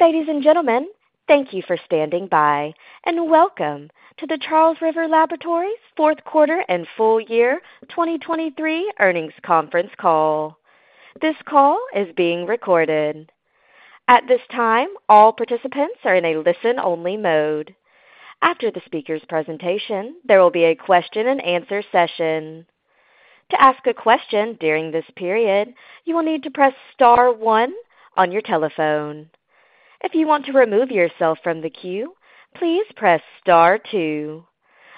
Ladies and gentlemen, thank you for standing by, and welcome to the Charles River Laboratories fourth quarter and full year 2023 earnings conference call. This call is being recorded. At this time, all participants are in a listen-only mode. After the speaker's presentation, there will be a question-and-answer session. To ask a question during this period, you will need to press star one on your telephone. If you want to remove yourself from the queue, please press star two.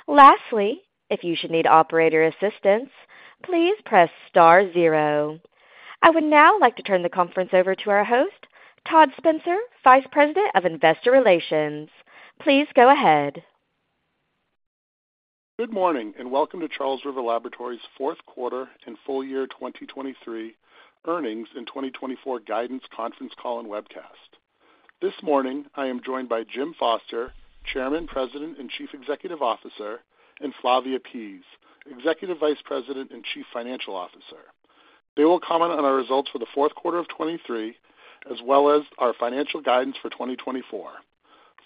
Lastly, if you should need operator assistance, please press star zero. I would now like to turn the conference over to our host, Todd Spencer, Vice President of Investor Relations. Please go ahead. Good morning, and welcome to Charles River Laboratories' fourth quarter and full year 2023 earnings and 2024 guidance conference call and webcast. This morning, I am joined by Jim Foster, Chairman, President, and Chief Executive Officer, and Flavia Pease, Executive Vice President and Chief Financial Officer. They will comment on our results for the fourth quarter of 2023, as well as our financial guidance for 2024.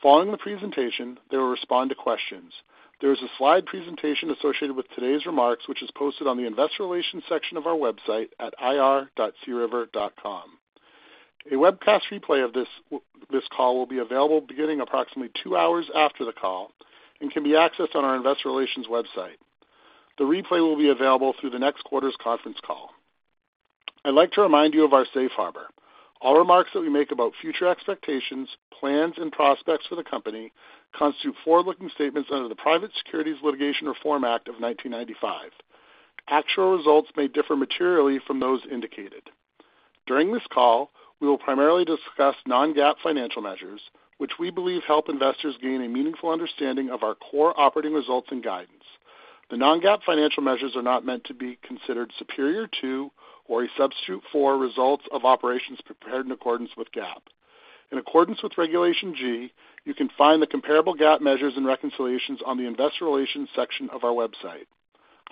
Following the presentation, they will respond to questions. There is a slide presentation associated with today's remarks, which is posted on the investor relations section of our website at ir.criver.com. A webcast replay of this call will be available beginning approximately 2 hours after the call and can be accessed on our investor relations website. The replay will be available through the next quarter's conference call. I'd like to remind you of our safe harbor. All remarks that we make about future expectations, plans, and prospects for the company constitute forward-looking statements under the Private Securities Litigation Reform Act of 1995. Actual results may differ materially from those indicated. During this call, we will primarily discuss non-GAAP financial measures, which we believe help investors gain a meaningful understanding of our core operating results and guidance. The non-GAAP financial measures are not meant to be considered superior to or a substitute for results of operations prepared in accordance with GAAP. In accordance with Regulation G, you can find the comparable GAAP measures and reconciliations on the investor relations section of our website.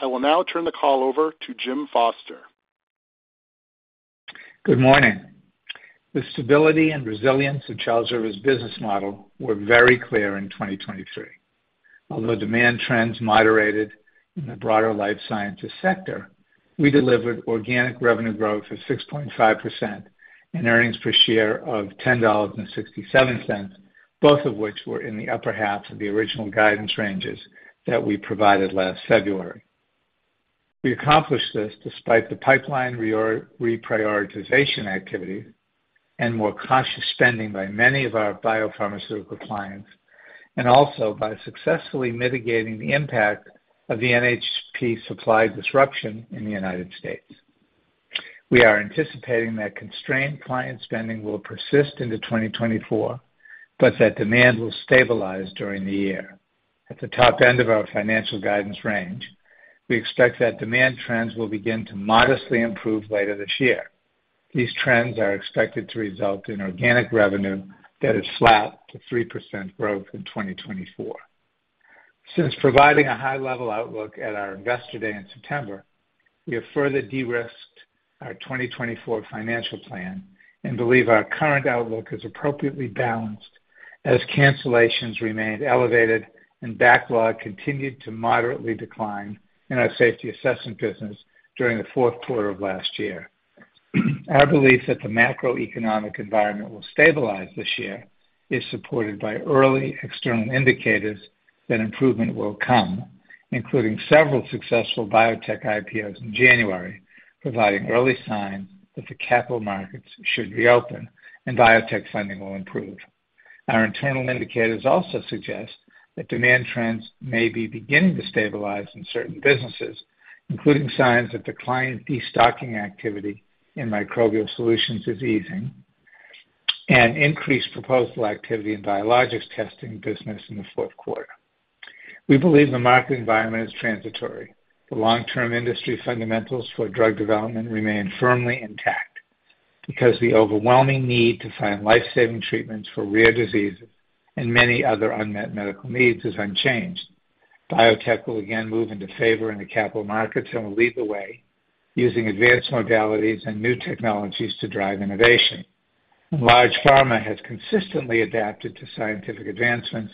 I will now turn the call over to Jim Foster. Good morning. The stability and resilience of Charles River's business model were very clear in 2023. Although demand trends moderated in the broader life sciences sector, we delivered organic revenue growth of 6.5% and earnings per share of $10.67, both of which were in the upper half of the original guidance ranges that we provided last February. We accomplished this despite the pipeline reprioritization activity and more cautious spending by many of our biopharmaceutical clients, and also by successfully mitigating the impact of the NHP supply disruption in the United States. We are anticipating that constrained client spending will persist into 2024, but that demand will stabilize during the year. At the top end of our financial guidance range, we expect that demand trends will begin to modestly improve later this year. These trends are expected to result in organic revenue that is flat to 3% growth in 2024. Since providing a high-level outlook at our Investor Day in September, we have further de-risked our 2024 financial plan and believe our current outlook is appropriately balanced, as cancellations remained elevated and backlog continued to moderately decline in our Safety Assessment business during the fourth quarter of last year. Our belief that the macroeconomic environment will stabilize this year is supported by early external indicators that improvement will come, including several successful biotech IPOs in January, providing early signs that the capital markets should reopen and biotech funding will improve. Our internal indicators also suggest that demand trends may be beginning to stabilize in certain businesses, including signs that the client destocking activity in Microbial Solutions is easing and increased proposal activity in Biologics Testing business in the fourth quarter. We believe the market environment is transitory. The long-term industry fundamentals for drug development remain firmly intact, because the overwhelming need to find life-saving treatments for rare diseases and many other unmet medical needs is unchanged. Biotech will again move into favor in the capital markets and will lead the way, using advanced modalities and new technologies to drive innovation. Large pharma has consistently adapted to scientific advancements,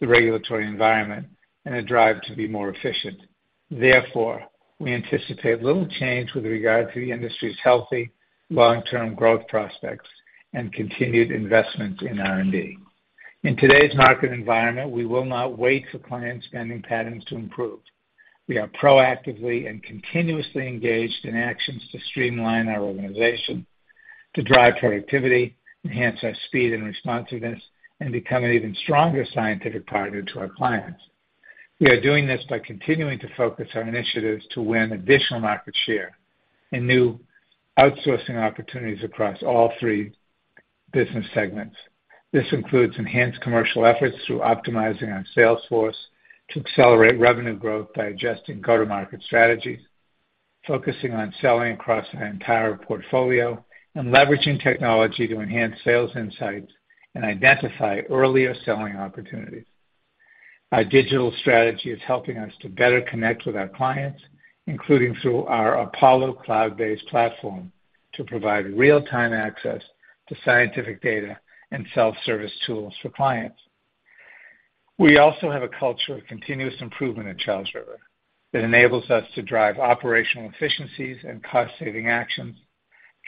the regulatory environment, and a drive to be more efficient. Therefore, we anticipate little change with regard to the industry's healthy, long-term growth prospects and continued investment in R&D. In today's market environment, we will not wait for client spending patterns to improve. We are proactively and continuously engaged in actions to streamline our organization, to drive productivity, enhance our speed and responsiveness, and become an even stronger scientific partner to our clients. We are doing this by continuing to focus our initiatives to win additional market share and new outsourcing opportunities across all three business segments. This includes enhanced commercial efforts through optimizing our sales force to accelerate revenue growth by adjusting go-to-market strategies, focusing on selling across our entire portfolio, and leveraging technology to enhance sales insights and identify earlier selling opportunities. Our digital strategy is helping us to better connect with our clients, including through our Apollo cloud-based platform, to provide real-time access to scientific data and self-service tools for clients. We also have a culture of continuous improvement at Charles River that enables us to drive operational efficiencies and cost-saving actions,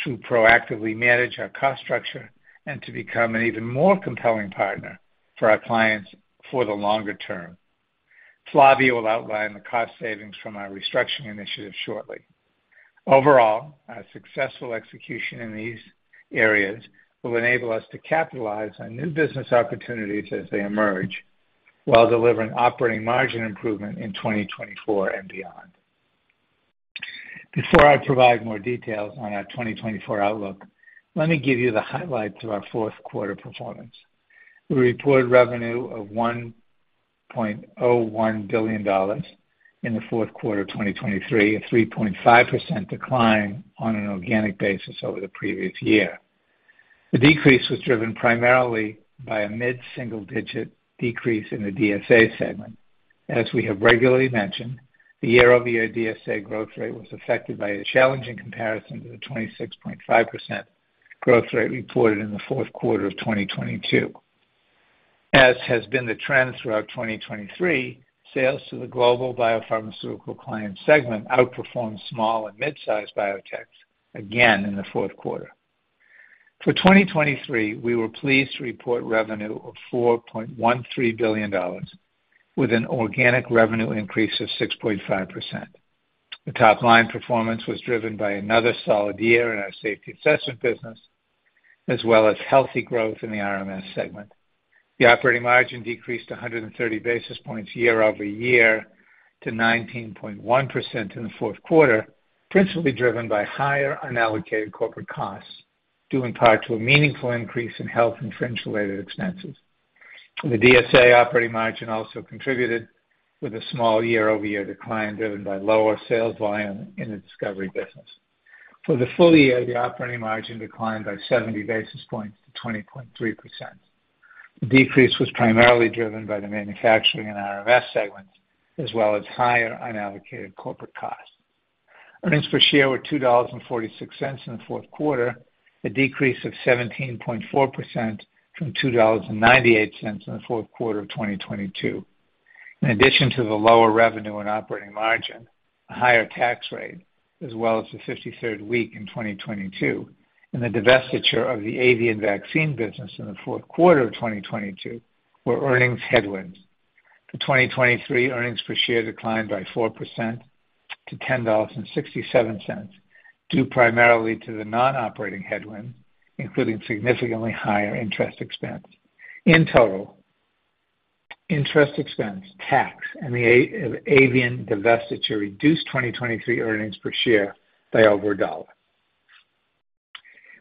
to proactively manage our cost structure, and to become an even more compelling partner for our clients for the longer term. Flavia will outline the cost savings from our restructuring initiative shortly. Overall, our successful execution in these areas will enable us to capitalize on new business opportunities as they emerge, while delivering operating margin improvement in 2024 and beyond. Before I provide more details on our 2024 outlook, let me give you the highlights of our fourth quarter performance. We reported revenue of $1.01 billion in the fourth quarter of 2023, a 3.5% decline on an organic basis over the previous year. The decrease was driven primarily by a mid-single-digit decrease in the DSA segment. As we have regularly mentioned, the year-over-year DSA growth rate was affected by a challenging comparison to the 26.5% growth rate reported in the fourth quarter of 2022. As has been the trend throughout 2023, sales to the global biopharmaceutical client segment outperformed small and mid-sized biotechs again in the fourth quarter. For 2023, we were pleased to report revenue of $4.13 billion, with an organic revenue increase of 6.5%. The top-line performance was driven by another solid year in our Safety Assessment business, as well as healthy growth in the RMS segment. The operating margin decreased 130 basis points year-over-year to 19.1% in the fourth quarter, principally driven by higher unallocated corporate costs, due in part to a meaningful increase in health and fringe-related expenses. The DSA operating margin also contributed with a small year-over-year decline, driven by lower sales volume in the discovery business. For the full year, the operating margin declined by 70 basis points to 20.3%. The decrease was primarily driven by the manufacturing and RMS segments, as well as higher unallocated corporate costs. Earnings per share were $2.46 in the fourth quarter, a decrease of 17.4% from $2.98 in the fourth quarter of 2022. In addition to the lower revenue and operating margin, a higher tax rate, as well as the 53rd week in 2022, and the divestiture of the avian vaccine business in the fourth quarter of 2022, were earnings headwinds. The 2023 earnings per share declined by 4% to $10.67, due primarily to the non-operating headwind, including significantly higher interest expense. In total, interest expense, tax, and the Avian divestiture reduced 2023 earnings per share by over $1.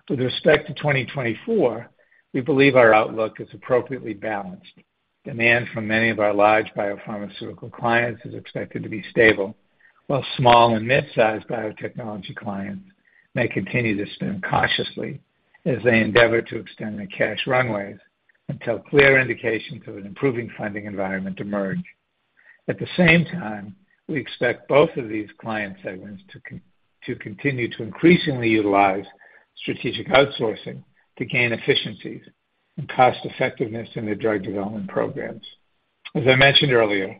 With respect to 2024, we believe our outlook is appropriately balanced. Demand from many of our large biopharmaceutical clients is expected to be stable, while small and mid-sized biotechnology clients may continue to spend cautiously as they endeavor to extend their cash runways until clear indications of an improving funding environment emerge. At the same time, we expect both of these client segments to to continue to increasingly utilize strategic outsourcing to gain efficiencies and cost effectiveness in their drug development programs. As I mentioned earlier,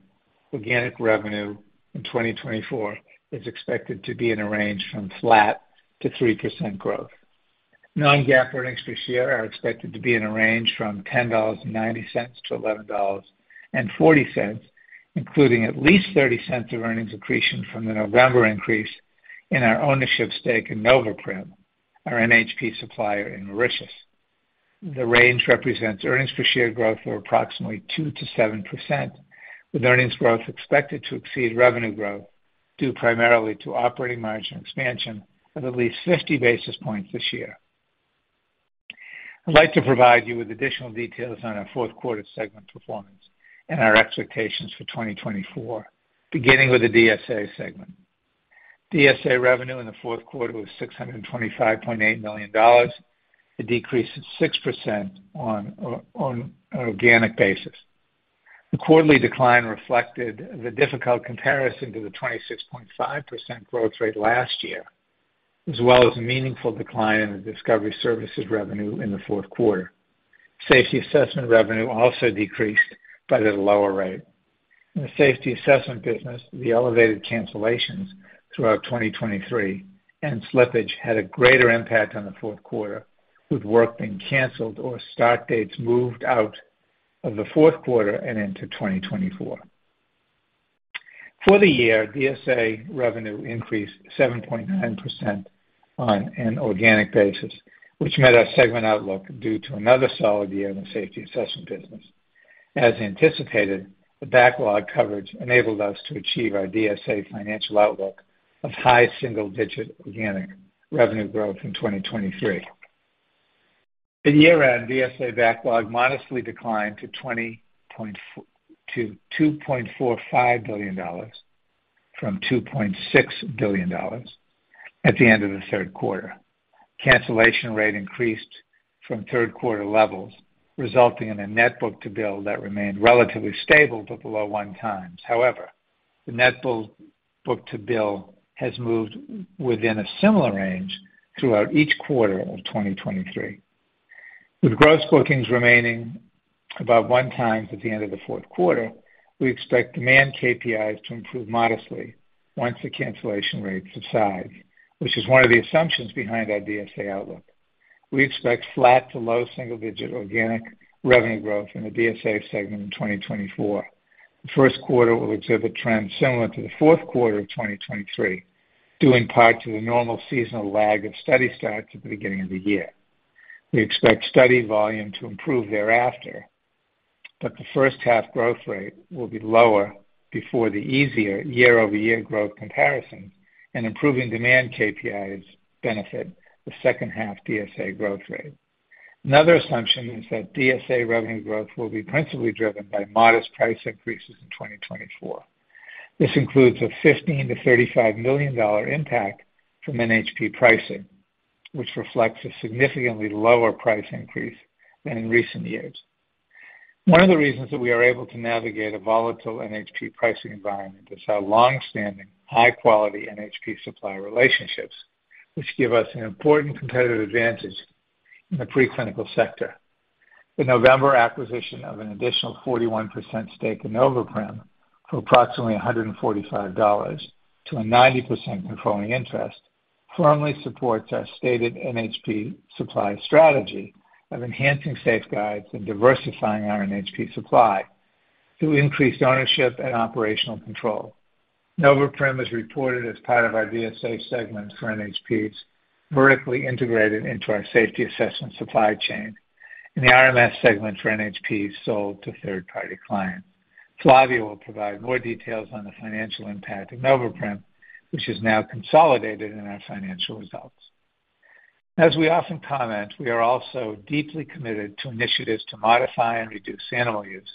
organic revenue in 2024 is expected to be in a range from flat to 3% growth. Non-GAAP earnings per share are expected to be in a range from $10.90 to $11.40, including at least $0.30 of earnings accretion from the November increase in our ownership stake in NovoPrim, our NHP supplier in Mauritius. The range represents earnings per share growth of approximately 2%-7%, with earnings growth expected to exceed revenue growth, due primarily to operating margin expansion of at least 50 basis points this year. I'd like to provide you with additional details on our fourth quarter segment performance and our expectations for 2024, beginning with the DSA segment. DSA revenue in the fourth quarter was $625.8 million, a decrease of 6% on an organic basis. The quarterly decline reflected the difficult comparison to the 26.5% growth rate last year, as well as a meaningful decline in the Discovery Services revenue in the fourth quarter. Safety Assessment revenue also decreased, but at a lower rate. In the Safety Assessment business, the elevated cancellations throughout 2023 and slippage had a greater impact on the fourth quarter, with work being canceled or start dates moved out of the fourth quarter and into 2024. For the year, DSA revenue increased 7.9% on an organic basis, which met our segment outlook due to another solid year in the Safety Assessment business. As anticipated, the backlog coverage enabled us to achieve our DSA financial outlook of high single-digit organic revenue growth in 2023. At year-end, DSA backlog modestly declined to $2.0-$2.45 billion. from $2.6 billion at the end of the third quarter. Cancellation rate increased from third quarter levels, resulting in a net book-to-bill that remained relatively stable but below 1x. However, the net book-to-bill has moved within a similar range throughout each quarter of 2023. With gross bookings remaining about 1x at the end of the fourth quarter, we expect demand KPIs to improve modestly once the cancellation rates subside, which is one of the assumptions behind our DSA outlook. We expect flat to low single-digit organic revenue growth in the DSA segment in 2024. The first quarter will exhibit trends similar to the fourth quarter of 2023, due in part to the normal seasonal lag of study starts at the beginning of the year. We expect study volume to improve thereafter, but the first half growth rate will be lower before the easier year-over-year growth comparison and improving demand KPIs benefit the second half DSA growth rate. Another assumption is that DSA revenue growth will be principally driven by modest price increases in 2024. This includes a $15 million-$35 million impact from NHP pricing, which reflects a significantly lower price increase than in recent years. One of the reasons that we are able to navigate a volatile NHP pricing environment is our long-standing, high-quality NHP supplier relationships, which give us an important competitive advantage in the preclinical sector. The November acquisition of an additional 41% stake in NovoPrim for approximately $145 to a 90% controlling interest, firmly supports our stated NHP supply strategy of enhancing safeguards and diversifying our NHP supply through increased ownership and operational control. NovoPrim is reported as part of our DSA segment for NHPs, vertically integrated into our Safety Assessment supply chain, and the RMS segment for NHPs sold to third-party clients. Flavia will provide more details on the financial impact of NovoPrim, which is now consolidated in our financial results. As we often comment, we are also deeply committed to initiatives to modify and reduce animal use,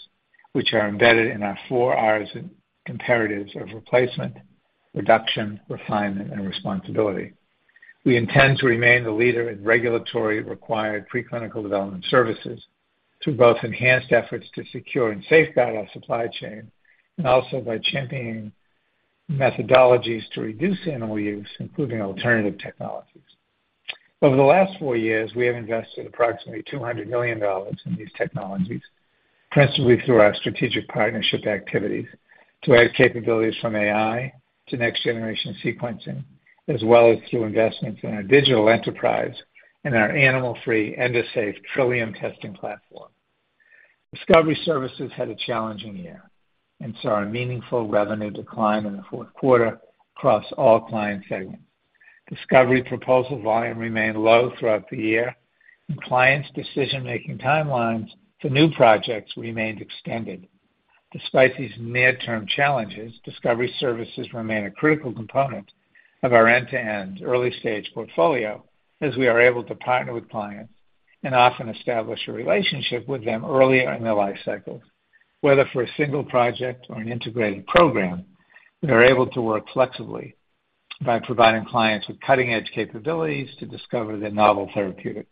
which are embedded in our four R's and imperatives of replacement, reduction, refinement, and responsibility. We intend to remain the leader in regulatory required preclinical development services through both enhanced efforts to secure and safeguard our supply chain, and also by championing methodologies to reduce animal use, including alternative technologies. Over the last four years, we have invested approximately $200 million in these technologies, principally through our strategic partnership activities, to add capabilities from AI to next-generation sequencing, as well as through investments in our digital enterprise and our animal-free Endosafe Trillium testing platform. Discovery services had a challenging year and saw a meaningful revenue decline in the fourth quarter across all client segments. Discovery proposal volume remained low throughout the year, and clients' decision-making timelines for new projects remained extended. Despite these midterm challenges, Discovery Services remain a critical component of our end-to-end early-stage portfolio, as we are able to partner with clients and often establish a relationship with them earlier in their life cycles. Whether for a single project or an integrated program, we are able to work flexibly by providing clients with cutting-edge capabilities to discover their novel therapeutics.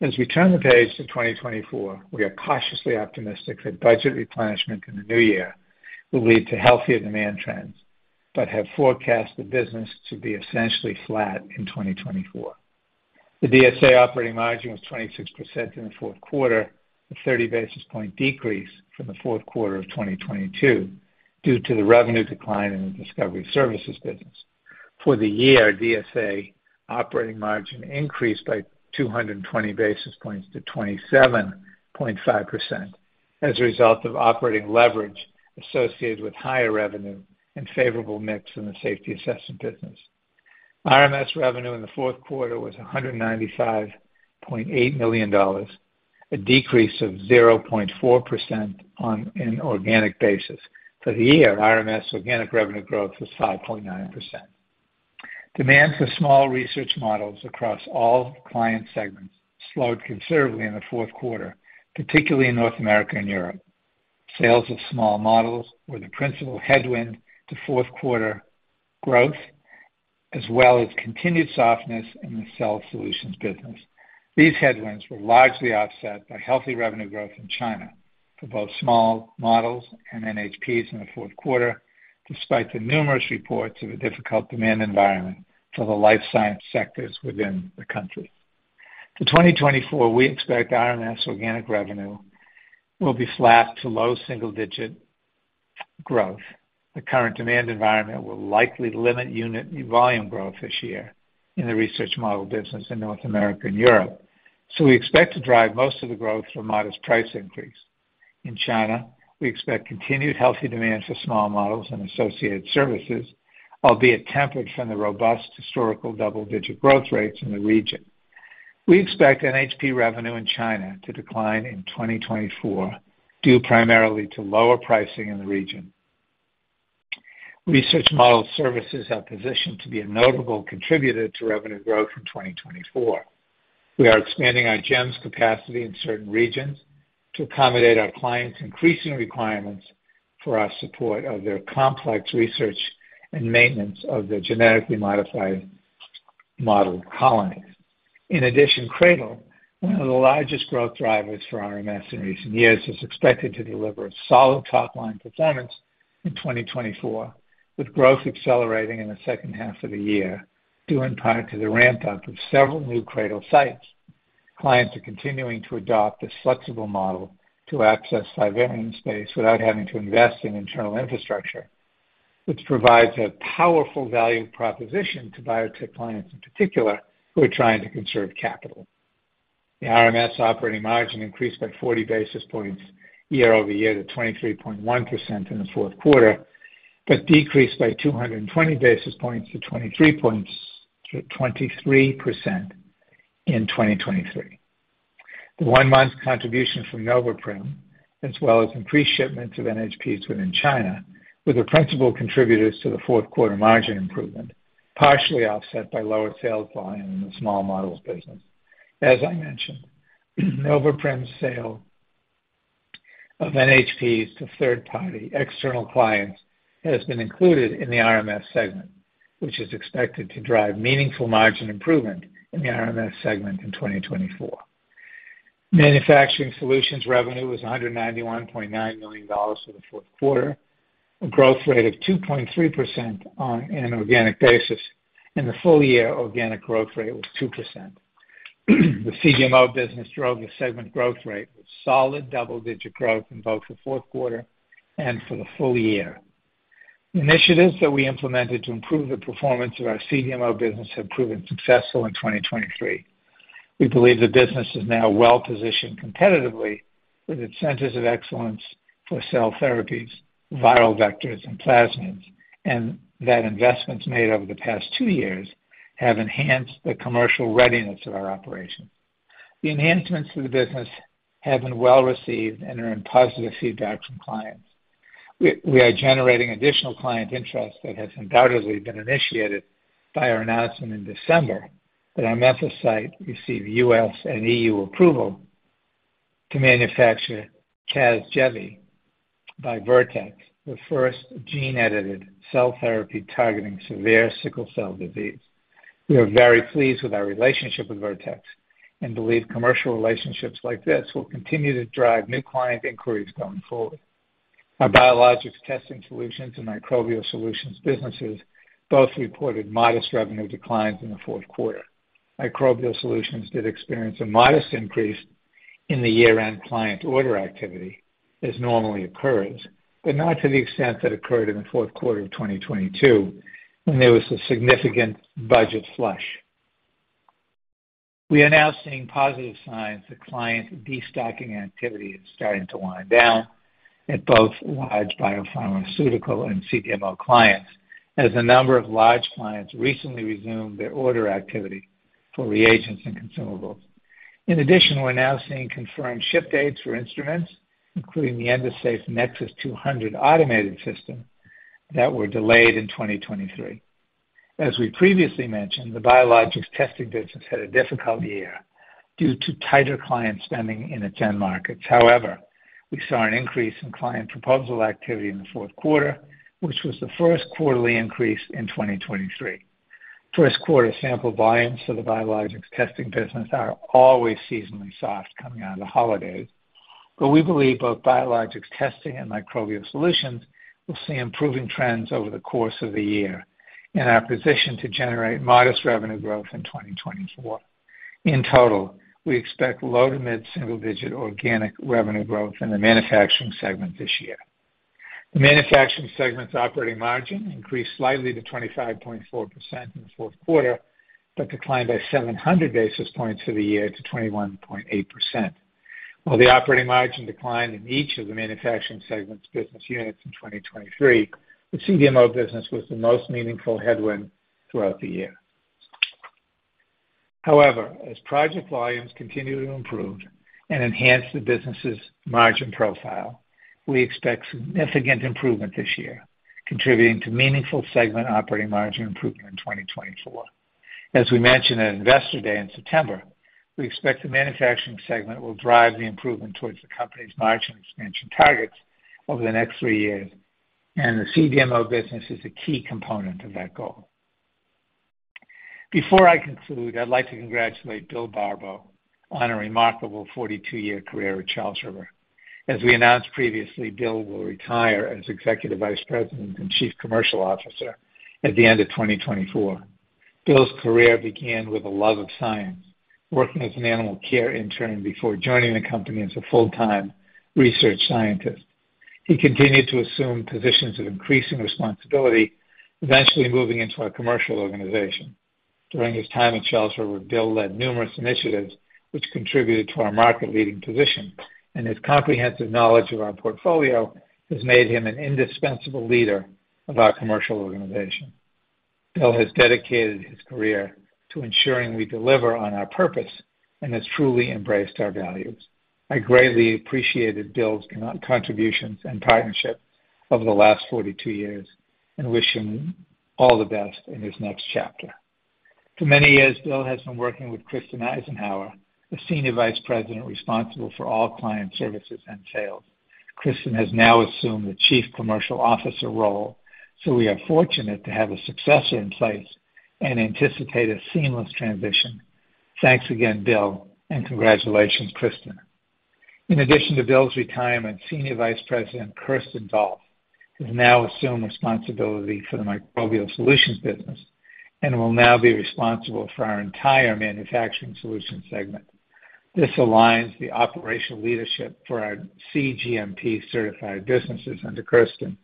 As we turn the page to 2024, we are cautiously optimistic that budget replenishment in the new year will lead to healthier demand trends, but have forecast the business to be essentially flat in 2024. The DSA operating margin was 26% in the fourth quarter, a 30 basis point decrease from the fourth quarter of 2022 due to the revenue decline in the Discovery Services business. For the year, DSA operating margin increased by 220 basis points to 27.5% as a result of operating leverage associated with higher revenue and favorable mix in the Safety Assessment business. RMS revenue in the fourth quarter was $195.8 million, a decrease of 0.4% on an organic basis. For the year, RMS organic revenue growth was 5.9%. Demand for small research models across all client segments slowed considerably in the fourth quarter, particularly in North America and Europe. Sales of small models were the principal headwind to fourth quarter growth, as well as continued softness in the Cell Solutions business. These headwinds were largely offset by healthy revenue growth in China for both small models and NHPs in the fourth quarter, despite the numerous reports of a difficult demand environment for the life science sectors within the country. For 2024, we expect RMS organic revenue will be flat to low single-digit growth. The current demand environment will likely limit unit volume growth this year in the Research Model business in North America and Europe, so we expect to drive most of the growth through a modest price increase. In China, we expect continued healthy demand for small models and associated services, albeit tempered from the robust historical double-digit growth rates in the region. We expect NHP revenue in China to decline in 2024, due primarily to lower pricing in the region. Research model services are positioned to be a notable contributor to revenue growth in 2024.... We are expanding our GEMS capacity in certain regions to accommodate our clients' increasing requirements for our support of their complex research and maintenance of their genetically modified model colonies. In addition, CRADL, one of the largest growth drivers for RMS in recent years, is expected to deliver a solid top-line performance in 2024, with growth accelerating in the second half of the year, due in part to the ramp-up of several new CRADL sites. Clients are continuing to adopt this flexible model to access live vivarium space without having to invest in internal infrastructure, which provides a powerful value proposition to biotech clients in particular, who are trying to conserve capital. The RMS operating margin increased by 40 basis points year-over-year to 23.1% in the fourth quarter, but decreased by 220 basis points to 23.23% in 2023. The one-month contribution from NovoPrim, as well as increased shipments of NHPs within China, were the principal contributors to the fourth quarter margin improvement, partially offset by lower sales volume in the small models business. As I mentioned, NovoPrim's sale of NHPs to third-party external clients has been included in the RMS segment, which is expected to drive meaningful margin improvement in the RMS segment in 2024. Manufacturing solutions revenue was $191.9 million for the fourth quarter, a growth rate of 2.3% on an organic basis, and the full-year organic growth rate was 2%. The CDMO business drove the segment growth rate with solid double-digit growth in both the fourth quarter and for the full year. Initiatives that we implemented to improve the performance of our CDMO business have proven successful in 2023. We believe the business is now well-positioned competitively with its centers of excellence for cell therapies, viral vectors, and plasmids, and that investments made over the past two years have enhanced the commercial readiness of our operations. The enhancements to the business have been well received and are in positive feedback from clients. We are generating additional client interest that has undoubtedly been initiated by our announcement in December that our Memphis site received U.S. and EU approval to manufacture CASGEVY by Vertex, the first gene-edited cell therapy targeting severe sickle cell disease. We are very pleased with our relationship with Vertex and believe commercial relationships like this will continue to drive new client inquiries going forward. Our biologics testing solutions and Microbial solutions businesses both reported modest revenue declines in the fourth quarter. Microbial solutions did experience a modest increase in the year-end client order activity, as normally occurs, but not to the extent that occurred in the fourth quarter of 2022, when there was a significant budget flush. We are now seeing positive signs that client destocking activity is starting to wind down at both large biopharmaceutical and CDMO clients, as a number of large clients recently resumed their order activity for reagents and consumables. In addition, we're now seeing confirmed ship dates for instruments, including the Endosafe Nexus 200 automated system, that were delayed in 2023. As we previously mentioned, the biologics testing business had a difficult year due to tighter client spending in its end markets. However, we saw an increase in client proposal activity in the fourth quarter, which was the first quarterly increase in 2023. First quarter sample volumes for the biologics testing business are always seasonally soft coming out of the holidays, but we believe both biologics testing and Microbial solutions will see improving trends over the course of the year and are positioned to generate modest revenue growth in 2024. In total, we expect low to mid-single-digit organic revenue growth in the manufacturing segment this year. The manufacturing segment's operating margin increased slightly to 25.4% in the fourth quarter, but declined by 700 basis points for the year to 21.8%. While the operating margin declined in each of the manufacturing segment's business units in 2023, the CDMO business was the most meaningful headwind throughout the year. However, as project volumes continue to improve and enhance the business's margin profile, we expect significant improvement this year, contributing to meaningful segment operating margin improvement in 2024. As we mentioned at Investor Day in September, we expect the manufacturing segment will drive the improvement towards the company's margin expansion targets over the next three years, and the CDMO business is a key component of that goal. Before I conclude, I'd like to congratulate Bill Barbo on a remarkable 42-year career at Charles River. As we announced previously, Bill will retire as Executive Vice President and Chief Commercial Officer at the end of 2024. Bill's career began with a love of science, working as an animal care intern before joining the company as a full-time research scientist. He continued to assume positions of increasing responsibility, eventually moving into our commercial organization. During his time at Charles River, Bill led numerous initiatives, which contributed to our market-leading position, and his comprehensive knowledge of our portfolio has made him an indispensable leader of our commercial organization. Bill has dedicated his career to ensuring we deliver on our purpose and has truly embraced our values. I greatly appreciated Bill's contributions and partnership over the last 42 years and wish him all the best in his next chapter. For many years, Bill has been working with Kristen Eisenhauer, the Senior Vice President, responsible for all client services and sales. Kristen has now assumed the chief commercial officer role, so we are fortunate to have a successor in place and anticipate a seamless transition. Thanks again, Bill, and congratulations, Kristen. In addition to Bill's retirement, Senior Vice President Kerstin Dolph has now assumed responsibility for the Microbial Solutions business and will now be responsible for our entire Manufacturing Solutions segment. This aligns the operational leadership for our cGMP certified businesses under Kirsten,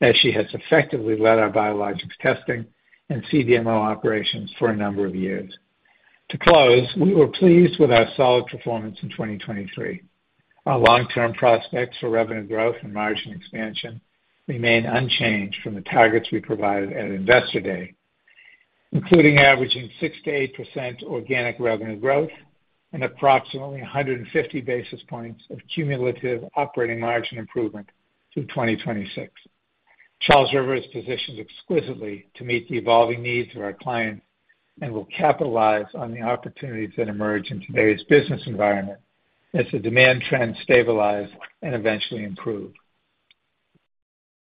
as she has effectively led our biologics testing and CDMO operations for a number of years. To close, we were pleased with our solid performance in 2023. Our long-term prospects for revenue growth and margin expansion remain unchanged from the targets we provided at Investor Day, including averaging 6%-8% organic revenue growth and approximately 150 basis points of cumulative operating margin improvement through 2026. Charles River is positioned exquisitely to meet the evolving needs of our clients and will capitalize on the opportunities that emerge in today's business environment as the demand trends stabilize and eventually improve.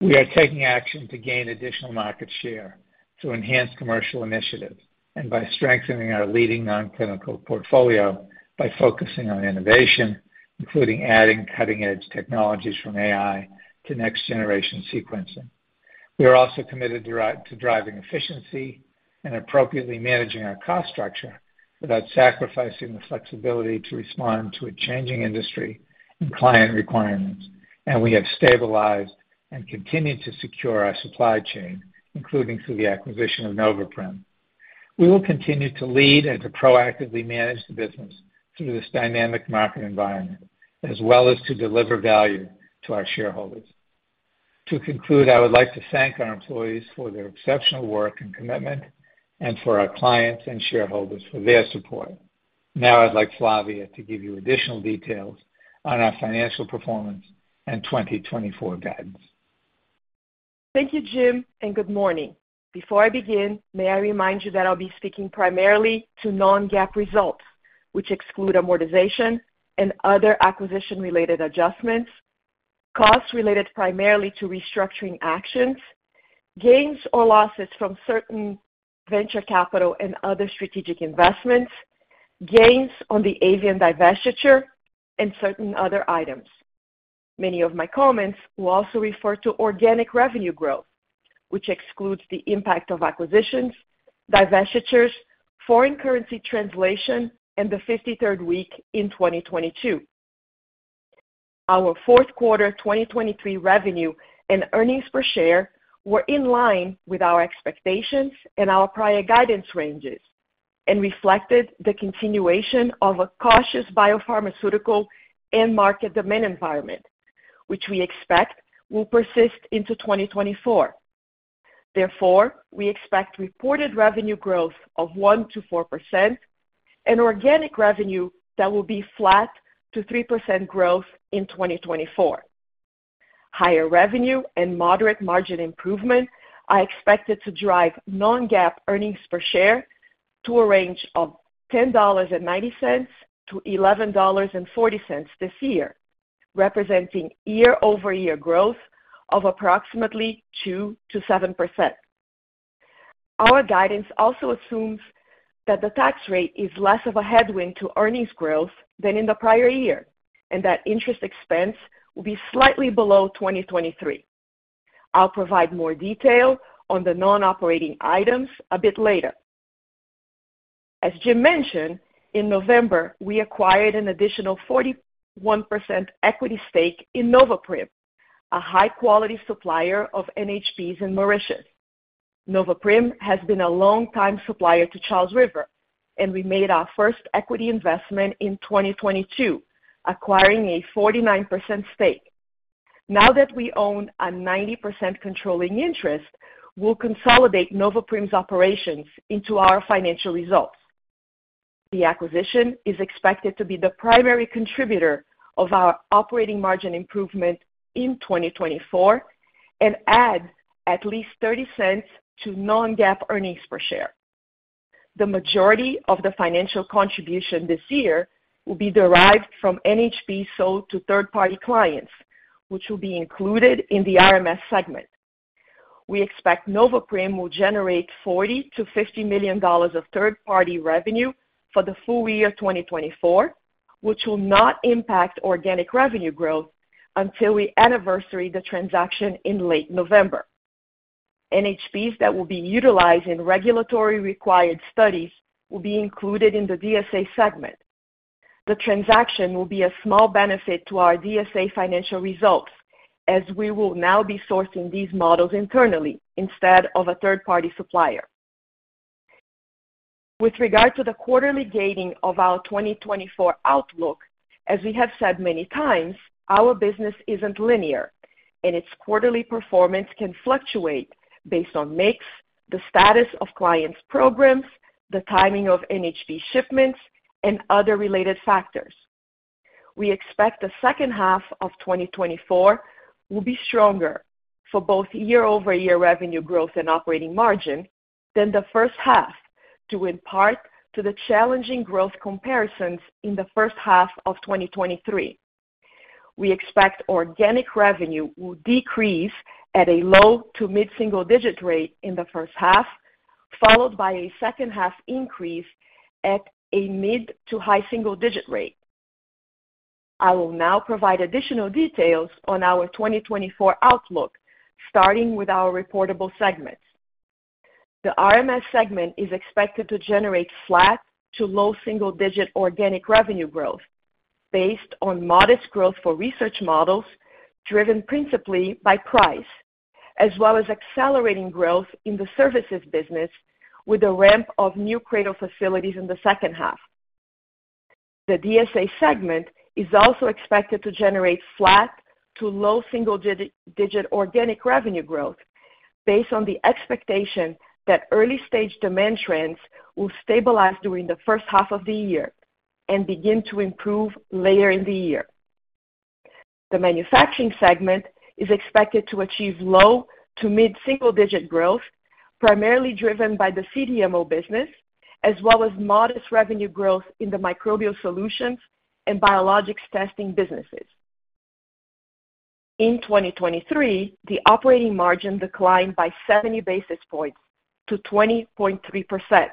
We are taking action to gain additional market share, to enhance commercial initiatives, and by strengthening our leading non-clinical portfolio, by focusing on innovation, including adding cutting-edge technologies from AI to next-generation sequencing. We are also committed to driving efficiency and appropriately managing our cost structure without sacrificing the flexibility to respond to a changing industry and client requirements. We have stabilized and continued to secure our supply chain, including through the acquisition of NovoPrim. We will continue to lead and to proactively manage the business through this dynamic market environment, as well as to deliver value to our shareholders. To conclude, I would like to thank our employees for their exceptional work and commitment, and for our clients and shareholders for their support. Now I'd like Flavia to give you additional details on our financial performance and 2024 guidance. Thank you, Jim, and good morning. Before I begin, may I remind you that I'll be speaking primarily to non-GAAP results, which exclude amortization and other acquisition-related adjustments, costs related primarily to restructuring actions, gains or losses from certain venture capital and other strategic investments, gains on the avian divestiture, and certain other items. Many of my comments will also refer to organic revenue growth, which excludes the impact of acquisitions, divestitures, foreign currency translation, and the 53rd week in 2022. Our fourth quarter 2023 revenue and earnings per share were in line with our expectations and our prior guidance ranges, and reflected the continuation of a cautious biopharmaceutical end market demand environment, which we expect will persist into 2024. Therefore, we expect reported revenue growth of 1%-4% and organic revenue that will be flat to 3% growth in 2024. Higher revenue and moderate margin improvement are expected to drive non-GAAP earnings per share to a range of $10.90-$11.40 this year, representing year-over-year growth of approximately 2%-7%. Our guidance also assumes that the tax rate is less of a headwind to earnings growth than in the prior year, and that interest expense will be slightly below 2023. I'll provide more detail on the non-operating items a bit later. As Jim mentioned, in November, we acquired an additional 41% equity stake in NovoPrim, a high-quality supplier of NHPs in Mauritius. NovoPrim has been a long-time supplier to Charles River, and we made our first equity investment in 2022, acquiring a 49% stake. Now that we own a 90% controlling interest, we'll consolidate NovoPrim's operations into our financial results. The acquisition is expected to be the primary contributor of our operating margin improvement in 2024 and add at least $0.30 to Non-GAAP earnings per share. The majority of the financial contribution this year will be derived from NHP sold to third-party clients, which will be included in the RMS segment. We expect NovoPrim will generate $40 million-$50 million of third-party revenue for the full year of 2024, which will not impact organic revenue growth until we anniversary the transaction in late November. NHPs that will be utilized in regulatory required studies will be included in the DSA segment. The transaction will be a small benefit to our DSA financial results, as we will now be sourcing these models internally instead of a third-party supplier. With regard to the quarterly gating of our 2024 outlook, as we have said many times, our business isn't linear, and its quarterly performance can fluctuate based on mix, the status of clients' programs, the timing of NHP shipments, and other related factors. We expect the second half of 2024 will be stronger for both year-over-year revenue growth and operating margin than the first half, due in part to the challenging growth comparisons in the first half of 2023. We expect organic revenue will decrease at a low- to mid-single-digit rate in the first half, followed by a second half increase at a mid- to high single-digit rate. I will now provide additional details on our 2024 outlook, starting with our reportable segments. The RMS segment is expected to generate flat to low single-digit organic revenue growth based on modest growth for Research Models, driven principally by price, as well as accelerating growth in the services business with the ramp of new CRADL facilities in the second half. The DSA segment is also expected to generate flat to low single-digit organic revenue growth, based on the expectation that early-stage demand trends will stabilize during the first half of the year and begin to improve later in the year. The manufacturing segment is expected to achieve low to mid-single-digit growth, primarily driven by the CDMO business, as well as modest revenue growth in the Microbial solutions and biologics testing businesses. In 2023, the operating margin declined by 70 basis points to 20.3%.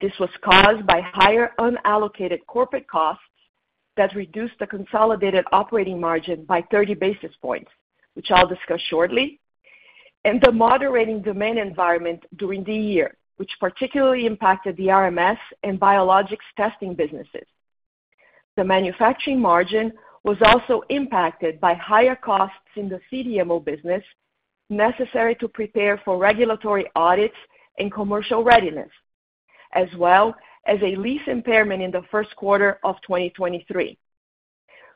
This was caused by higher unallocated corporate costs that reduced the consolidated operating margin by 30 basis points, which I'll discuss shortly, and the moderating demand environment during the year, which particularly impacted the RMS and biologics testing businesses. The manufacturing margin was also impacted by higher costs in the CDMO business, necessary to prepare for regulatory audits and commercial readiness, as well as a lease impairment in the first quarter of 2023.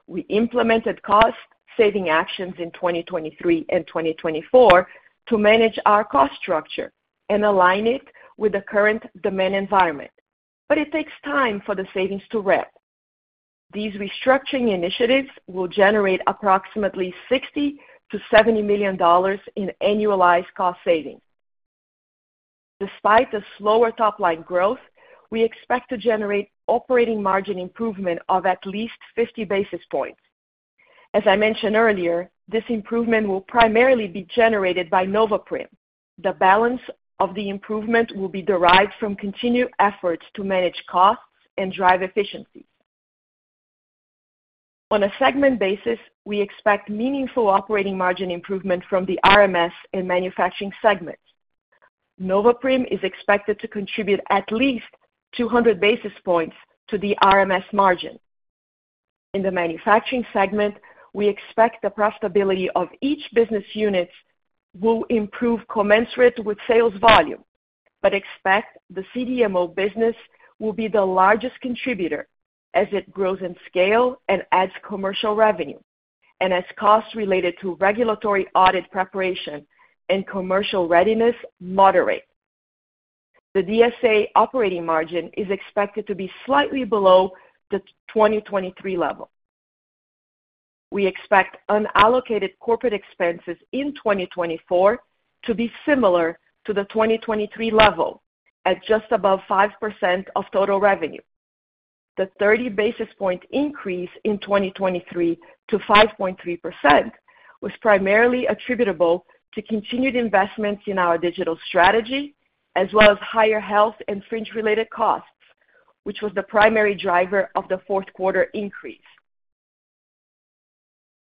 We implemented cost-saving actions in 2023 and 2024 to manage our cost structure and align it with the current demand environment, but it takes time for the savings to ramp. These restructuring initiatives will generate approximately $60 million-$70 million in annualized cost savings. Despite the slower top-line growth, we expect to generate operating margin improvement of at least 50 basis points. As I mentioned earlier, this improvement will primarily be generated by NovoPrim. The balance of the improvement will be derived from continued efforts to manage costs and drive efficiencies. On a segment basis, we expect meaningful operating margin improvement from the RMS and manufacturing segments. NovoPrim is expected to contribute at least 200 basis points to the RMS margin. In the manufacturing segment, we expect the profitability of each business unit will improve commensurate with sales volume, but expect the CDMO business will be the largest contributor as it grows in scale and adds commercial revenue, and as costs related to regulatory audit preparation and commercial readiness moderate. The DSA operating margin is expected to be slightly below the 2023 level. We expect unallocated corporate expenses in 2024 to be similar to the 2023 level, at just above 5% of total revenue. The 30 basis points increase in 2023 to 5.3% was primarily attributable to continued investments in our digital strategy, as well as higher health and fringe-related costs, which was the primary driver of the fourth quarter increase.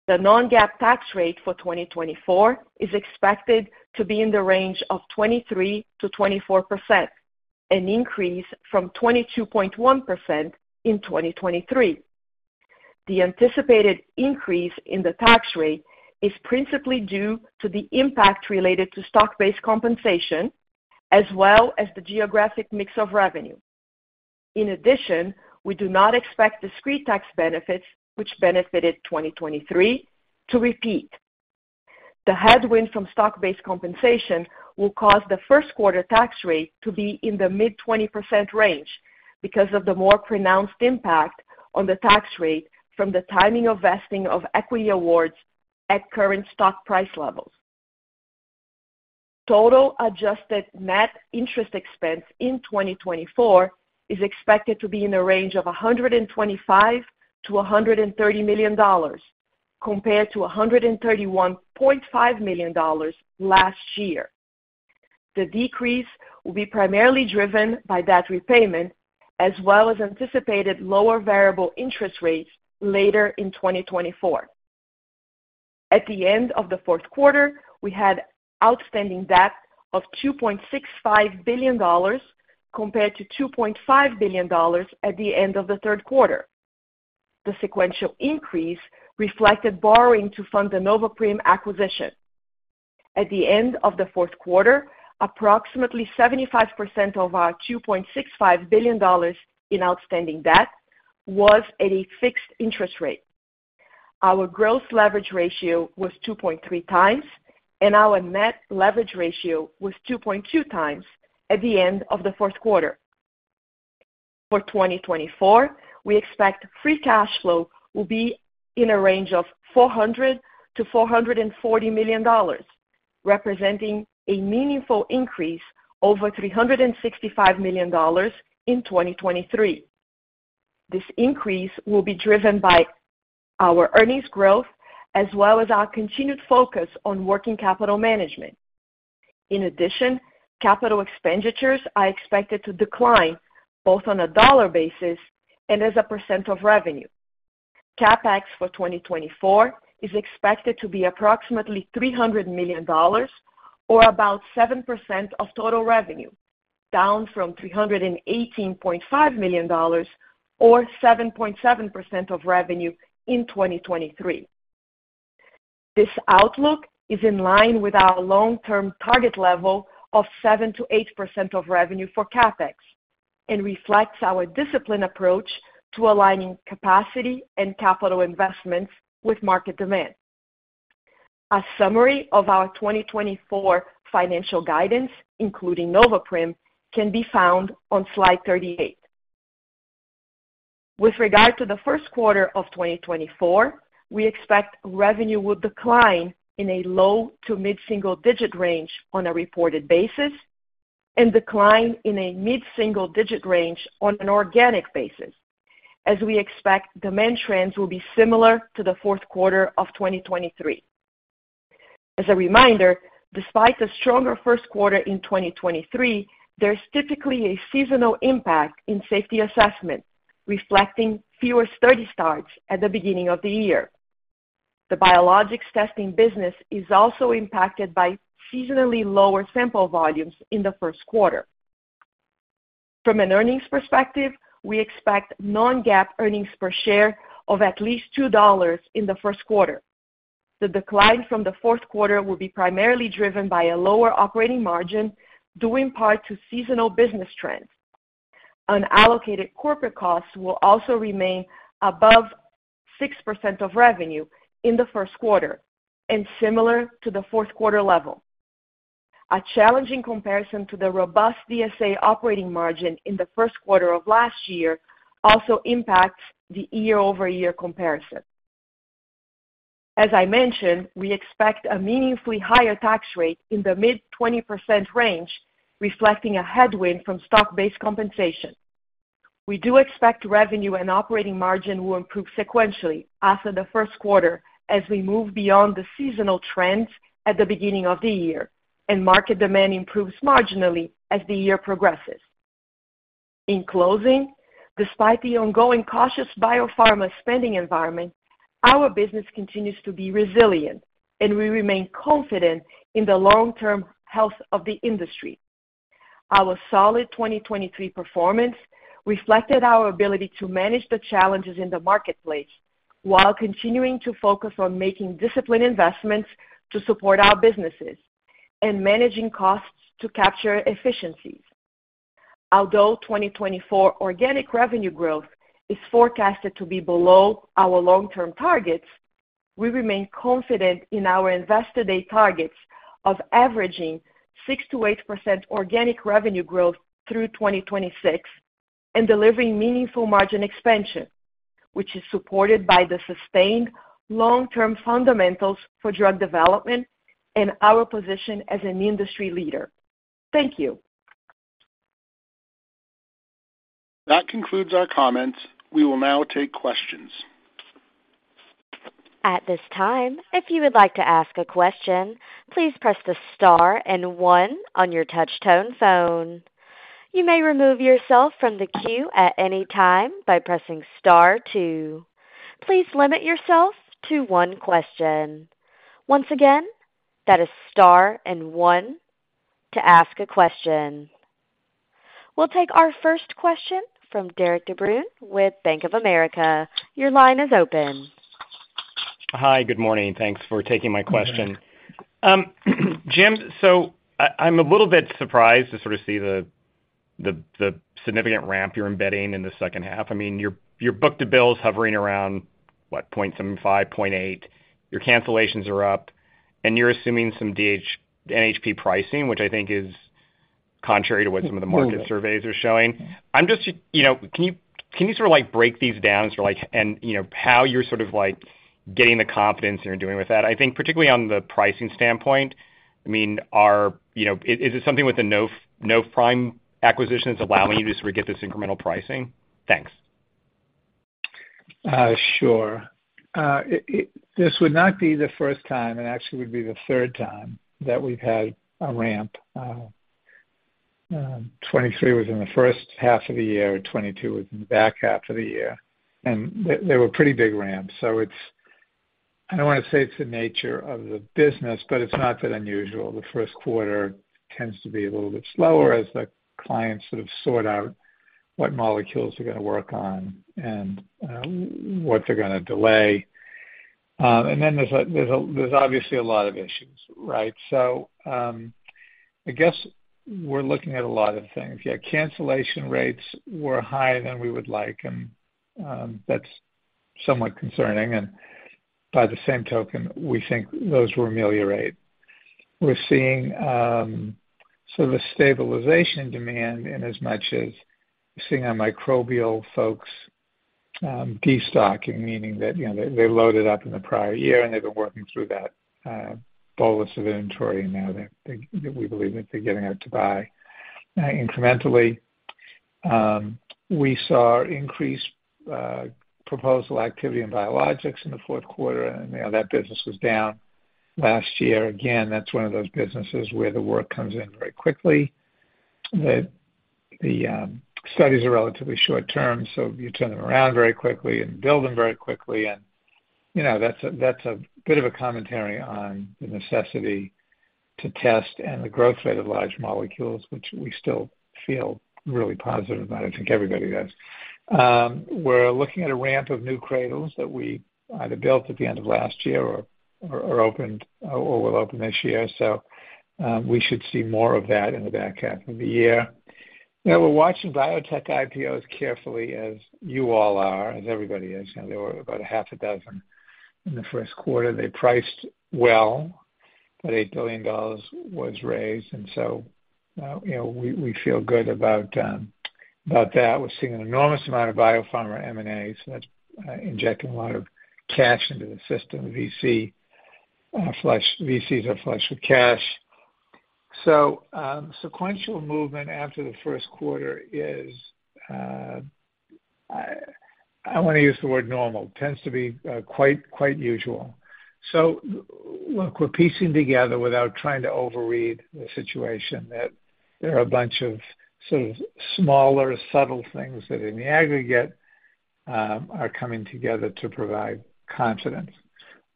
The non-GAAP tax rate for 2024 is expected to be in the range of 23%-24%, an increase from 22.1% in 2023. The anticipated increase in the tax rate is principally due to the impact related to stock-based compensation, as well as the geographic mix of revenue. In addition, we do not expect discrete tax benefits, which benefited 2023, to repeat. The headwind from stock-based compensation will cause the first quarter tax rate to be in the mid-20% range because of the more pronounced impact on the tax rate from the timing of vesting of equity awards at current stock price levels. Total adjusted net interest expense in 2024 is expected to be in the range of $125 million-$130 million, compared to $131.5 million last year. The decrease will be primarily driven by debt repayment, as well as anticipated lower variable interest rates later in 2024. At the end of the fourth quarter, we had outstanding debt of $2.65 billion, compared to $2.5 billion at the end of the third quarter. The sequential increase reflected borrowing to fund the NovoPrim acquisition. At the end of the fourth quarter, approximately 75% of our $2.65 billion in outstanding debt was at a fixed interest rate. Our gross leverage ratio was 2.3 times, and our net leverage ratio was 2.2 times at the end of the fourth quarter. For 2024, we expect free cash flow will be in a range of $400 million-$440 million, representing a meaningful increase over $365 million in 2023. This increase will be driven by our earnings growth, as well as our continued focus on working capital management. In addition, capital expenditures are expected to decline both on a dollar basis and as a % of revenue. CapEx for 2024 is expected to be approximately $300 million, or about 7% of total revenue, down from $318.5 million or 7.7% of revenue in 2023. This outlook is in line with our long-term target level of 7%-8% of revenue for CapEx and reflects our disciplined approach to aligning capacity and capital investments with market demand. A summary of our 2024 financial guidance, including NovoPrim, can be found on slide 38. With regard to the first quarter of 2024, we expect revenue will decline in a low- to mid-single-digit range on a reported basis and decline in a mid-single-digit range on an organic basis, as we expect demand trends will be similar to the fourth quarter of 2023. As a reminder, despite a stronger first quarter in 2023, there's typically a seasonal impact in Safety Assessment, reflecting fewer study starts at the beginning of the year. The biologics testing business is also impacted by seasonally lower sample volumes in the first quarter. From an earnings perspective, we expect non-GAAP earnings per share of at least $2 in the first quarter. The decline from the fourth quarter will be primarily driven by a lower operating margin, due in part to seasonal business trends. Unallocated corporate costs will also remain above 6% of revenue in the first quarter and similar to the fourth quarter level. A challenging comparison to the robust DSA operating margin in the first quarter of last year also impacts the year-over-year comparison. As I mentioned, we expect a meaningfully higher tax rate in the mid-20% range, reflecting a headwind from stock-based compensation. We do expect revenue and operating margin will improve sequentially after the first quarter as we move beyond the seasonal trends at the beginning of the year and market demand improves marginally as the year progresses. In closing, despite the ongoing cautious biopharma spending environment, our business continues to be resilient, and we remain confident in the long-term health of the industry. Our solid 2023 performance reflected our ability to manage the challenges in the marketplace while continuing to focus on making disciplined investments to support our businesses and managing costs to capture efficiencies. Although 2024 organic revenue growth is forecasted to be below our long-term targets, we remain confident in our Investor Day targets of averaging 6%-8% organic revenue growth through 2026 and delivering meaningful margin expansion, which is supported by the sustained long-term fundamentals for drug development and our position as an industry leader. Thank you. That concludes our comments. We will now take questions. At this time, if you would like to ask a question, please press the star and one on your touch tone phone. You may remove yourself from the queue at any time by pressing star two. Please limit yourself to one question. Once again, that is star and one to ask a question. We'll take our first question from Derik de Bruin with Bank of America. Your line is open. Hi, good morning. Thanks for taking my question. Jim, so I, I'm a little bit surprised to sort of see the significant ramp you're embedding in the second half. I mean, your book-to-bill is hovering around, what, 0.75, 0.8? Your cancellations are up, and you're assuming some higher NHP pricing, which I think is contrary to what some of the market surveys are showing. I'm just, you know, can you, can you sort of, like, break these down sort of like and, you know, how you're sort of like getting the confidence you're doing with that? I think particularly on the pricing standpoint, I mean, are... You know, is it something with the NovoPrim acquisitions allowing you to sort of get this incremental pricing? Thanks. Sure. This would not be the first time, and actually would be the third time that we've had a ramp. Twenty-three was in the first half of the year, twenty-two was in the back half of the year, and they were pretty big ramps. So it's - I don't wanna say it's the nature of the business, but it's not that unusual. The first quarter tends to be a little bit slower as the clients sort of sort out what molecules they're gonna work on and what they're gonna delay. And then there's obviously a lot of issues.... Right. So, I guess we're looking at a lot of things. Yeah, cancellation rates were higher than we would like, and, that's somewhat concerning, and by the same token, we think those were ameliorate. We're seeing, sort of a stabilization demand in as much as seeing our Microbial folks, destocking, meaning that, you know, they loaded up in the prior year, and they've been working through that, bolus of inventory, now that we believe that they're getting out to buy. Incrementally, we saw increased proposal activity in biologics in the fourth quarter, and, you know, that business was down last year. Again, that's one of those businesses where the work comes in very quickly. The studies are relatively short term, so you turn them around very quickly and build them very quickly. And, you know, that's a bit of a commentary on the necessity to test and the growth rate of large molecules, which we still feel really positive about. I think everybody does. We're looking at a ramp of new CRADLs that we either built at the end of last year or opened or will open this year. We should see more of that in the back half of the year. You know, we're watching biotech IPOs carefully as you all are, as everybody is. You know, there were about half a dozen in the first quarter. They priced well, about $8 billion was raised, and so, you know, we feel good about that. We're seeing an enormous amount of biopharma M&As, so that's injecting a lot of cash into the system. VCs are flush with cash. So, sequential movement after the first quarter is, I wanna use the word normal, tends to be quite usual. So look, we're piecing together without trying to overread the situation, that there are a bunch of sort of smaller, subtle things that in the aggregate are coming together to provide confidence.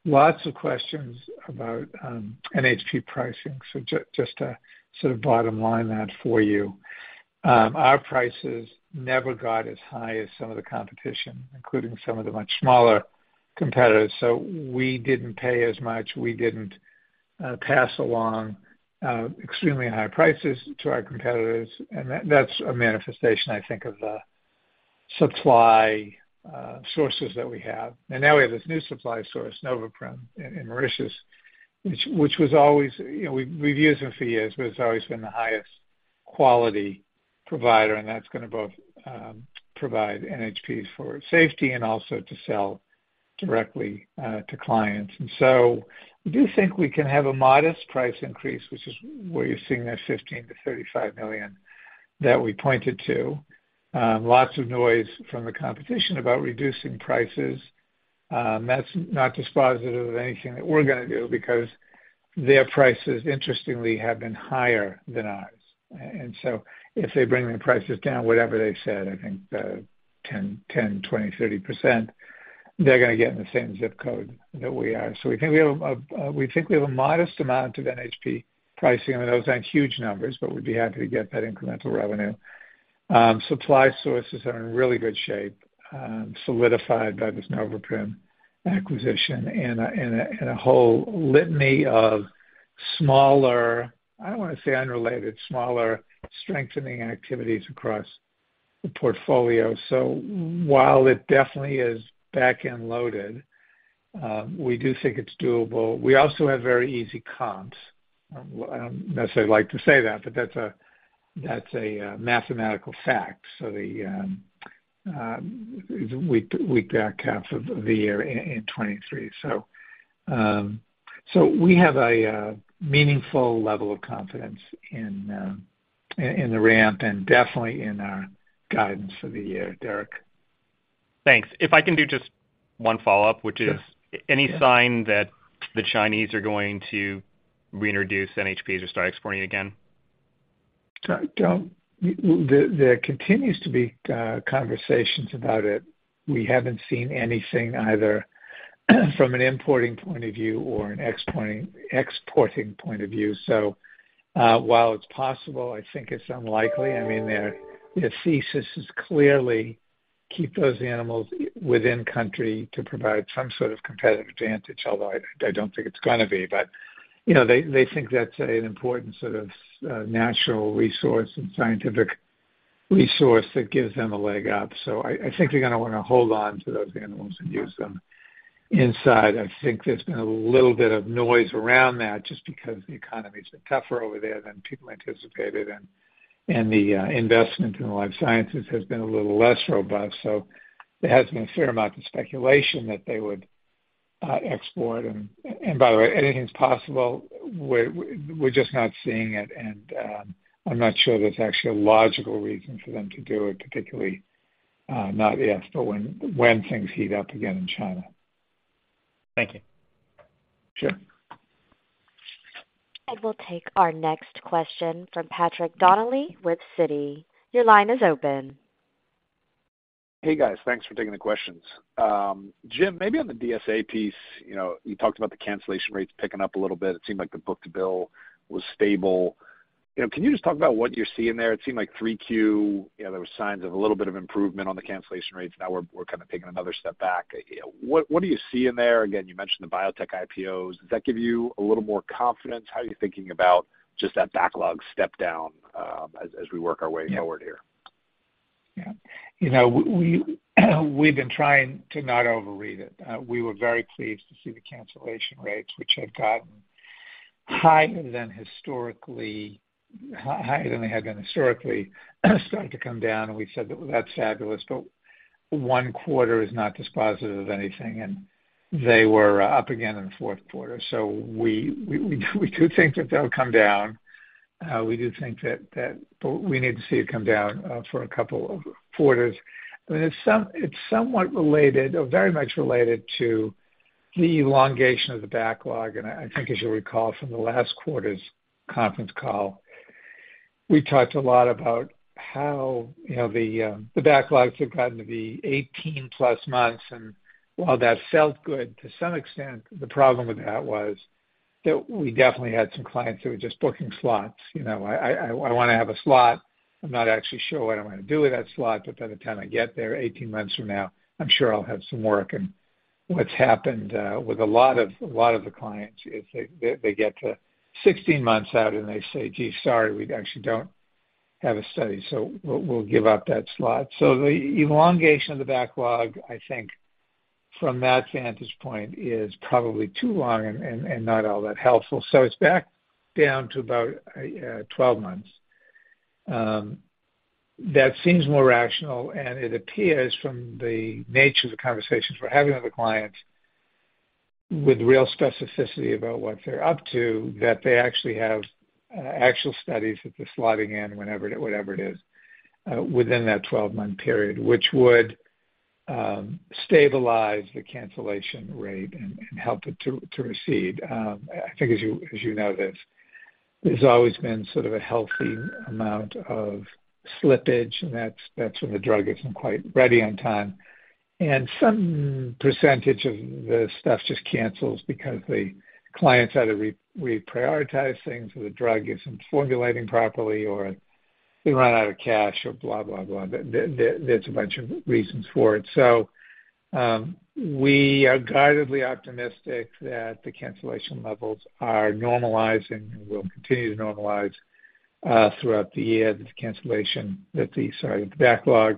Lots of questions about NHP pricing. So just to sort of bottom line that for you, our prices never got as high as some of the competition, including some of the much smaller competitors. So we didn't pay as much, we didn't pass along extremely high prices to our competitors. And that's a manifestation, I think, of the supply sources that we have. Now we have this new supply source, NovoPrim, in Mauritius, which was always... You know, we, we've used them for years, but it's always been the highest quality provider, and that's gonna both provide NHPs for safety and also to sell directly to clients. And so we do think we can have a modest price increase, which is where you're seeing that $15 million-$35 million that we pointed to. Lots of noise from the competition about reducing prices. That's not dispositive of anything that we're gonna do because their prices, interestingly, have been higher than ours. And so if they bring their prices down, whatever they've said, I think 10, 20, 30%, they're gonna get in the same zip code that we are. So we think we have a modest amount of NHP pricing, and those aren't huge numbers, but we'd be happy to get that incremental revenue. Supply sources are in really good shape, solidified by this NovoPrim acquisition and a whole litany of smaller, I don't wanna say unrelated, smaller, strengthening activities across the portfolio. So while it definitely is back-end loaded, we do think it's doable. We also have very easy comps. I don't necessarily like to say that, but that's a mathematical fact. So the back half of the year in 2023. So we have a meaningful level of confidence in the ramp and definitely in our guidance for the year, Derek. Thanks. If I can do just one follow-up- Sure. - which is, any sign that the Chinese are going to reintroduce NHPs or start exporting again? I don't— There continues to be conversations about it. We haven't seen anything either, from an importing point of view or an exporting point of view. So, while it's possible, I think it's unlikely. I mean, their thesis is clearly keep those animals within country to provide some sort of competitive advantage, although I don't think it's gonna be. But, you know, they think that's an important sort of natural resource and scientific resource that gives them a leg up. So I think they're gonna wanna hold on to those animals and use them inside. I think there's been a little bit of noise around that just because the economy's been tougher over there than people anticipated, and the investment in the life sciences has been a little less robust. So there has been a fair amount of speculation that they would export. And by the way, anything's possible. We're just not seeing it, and I'm not sure there's actually a logical reason for them to do it, particularly not yet, but when things heat up again in China. Thank you. Sure. We'll take our next question from Patrick Donnelly with Citi. Your line is open. Hey, guys. Thanks for taking the questions. Jim, maybe on the DSA piece, you know, you talked about the cancellation rates picking up a little bit. It seemed like the book-to-bill was stable. You know, can you just talk about what you're seeing there? It seemed like 3Q, you know, there were signs of a little bit of improvement on the cancellation rates. Now we're kind of taking another step back. What do you see in there? Again, you mentioned the biotech IPOs. Does that give you a little more confidence? How are you thinking about just that backlog step down, as we work our way forward here? Yeah. You know, we've been trying to not overread it. We were very pleased to see the cancellation rates, which had gotten higher than historically, higher than they had been historically, starting to come down, and we said that well, that's fabulous, but one quarter is not dispositive of anything, and they were up again in the fourth quarter. So we do think that they'll come down. We do think that but we need to see it come down for a couple of quarters. But it's somewhat related or very much related to the elongation of the backlog. And I think, as you'll recall from the last quarter's conference call, we talked a lot about how, you know, the backlogs had gotten to be 18+ months. While that felt good to some extent, the problem with that was that we definitely had some clients who were just booking slots. You know, I wanna have a slot. I'm not actually sure what I wanna do with that slot, but by the time I get there, 18 months from now, I'm sure I'll have some work. And what's happened with a lot of the clients is they get to 16 months out, and they say, "Gee, sorry, we actually don't have a study, so we'll give up that slot." So the elongation of the backlog, I think, from that vantage point, is probably too long and not all that helpful. So it's back down to about 12 months. That seems more rational, and it appears from the nature of the conversations we're having with the clients, with real specificity about what they're up to, that they actually have actual studies that they're slotting in whenever, whatever it is, within that 12-month period, which would stabilize the cancellation rate and help it to recede. I think as you know this, there's always been sort of a healthy amount of slippage, and that's when the drug isn't quite ready on time. And some percentage of the stuff just cancels because the clients either reprioritize things, or the drug isn't formulating properly, or they run out of cash or blah, blah, blah. There, there's a bunch of reasons for it. So, we are guardedly optimistic that the cancellation levels are normalizing and will continue to normalize throughout the year. The backlog,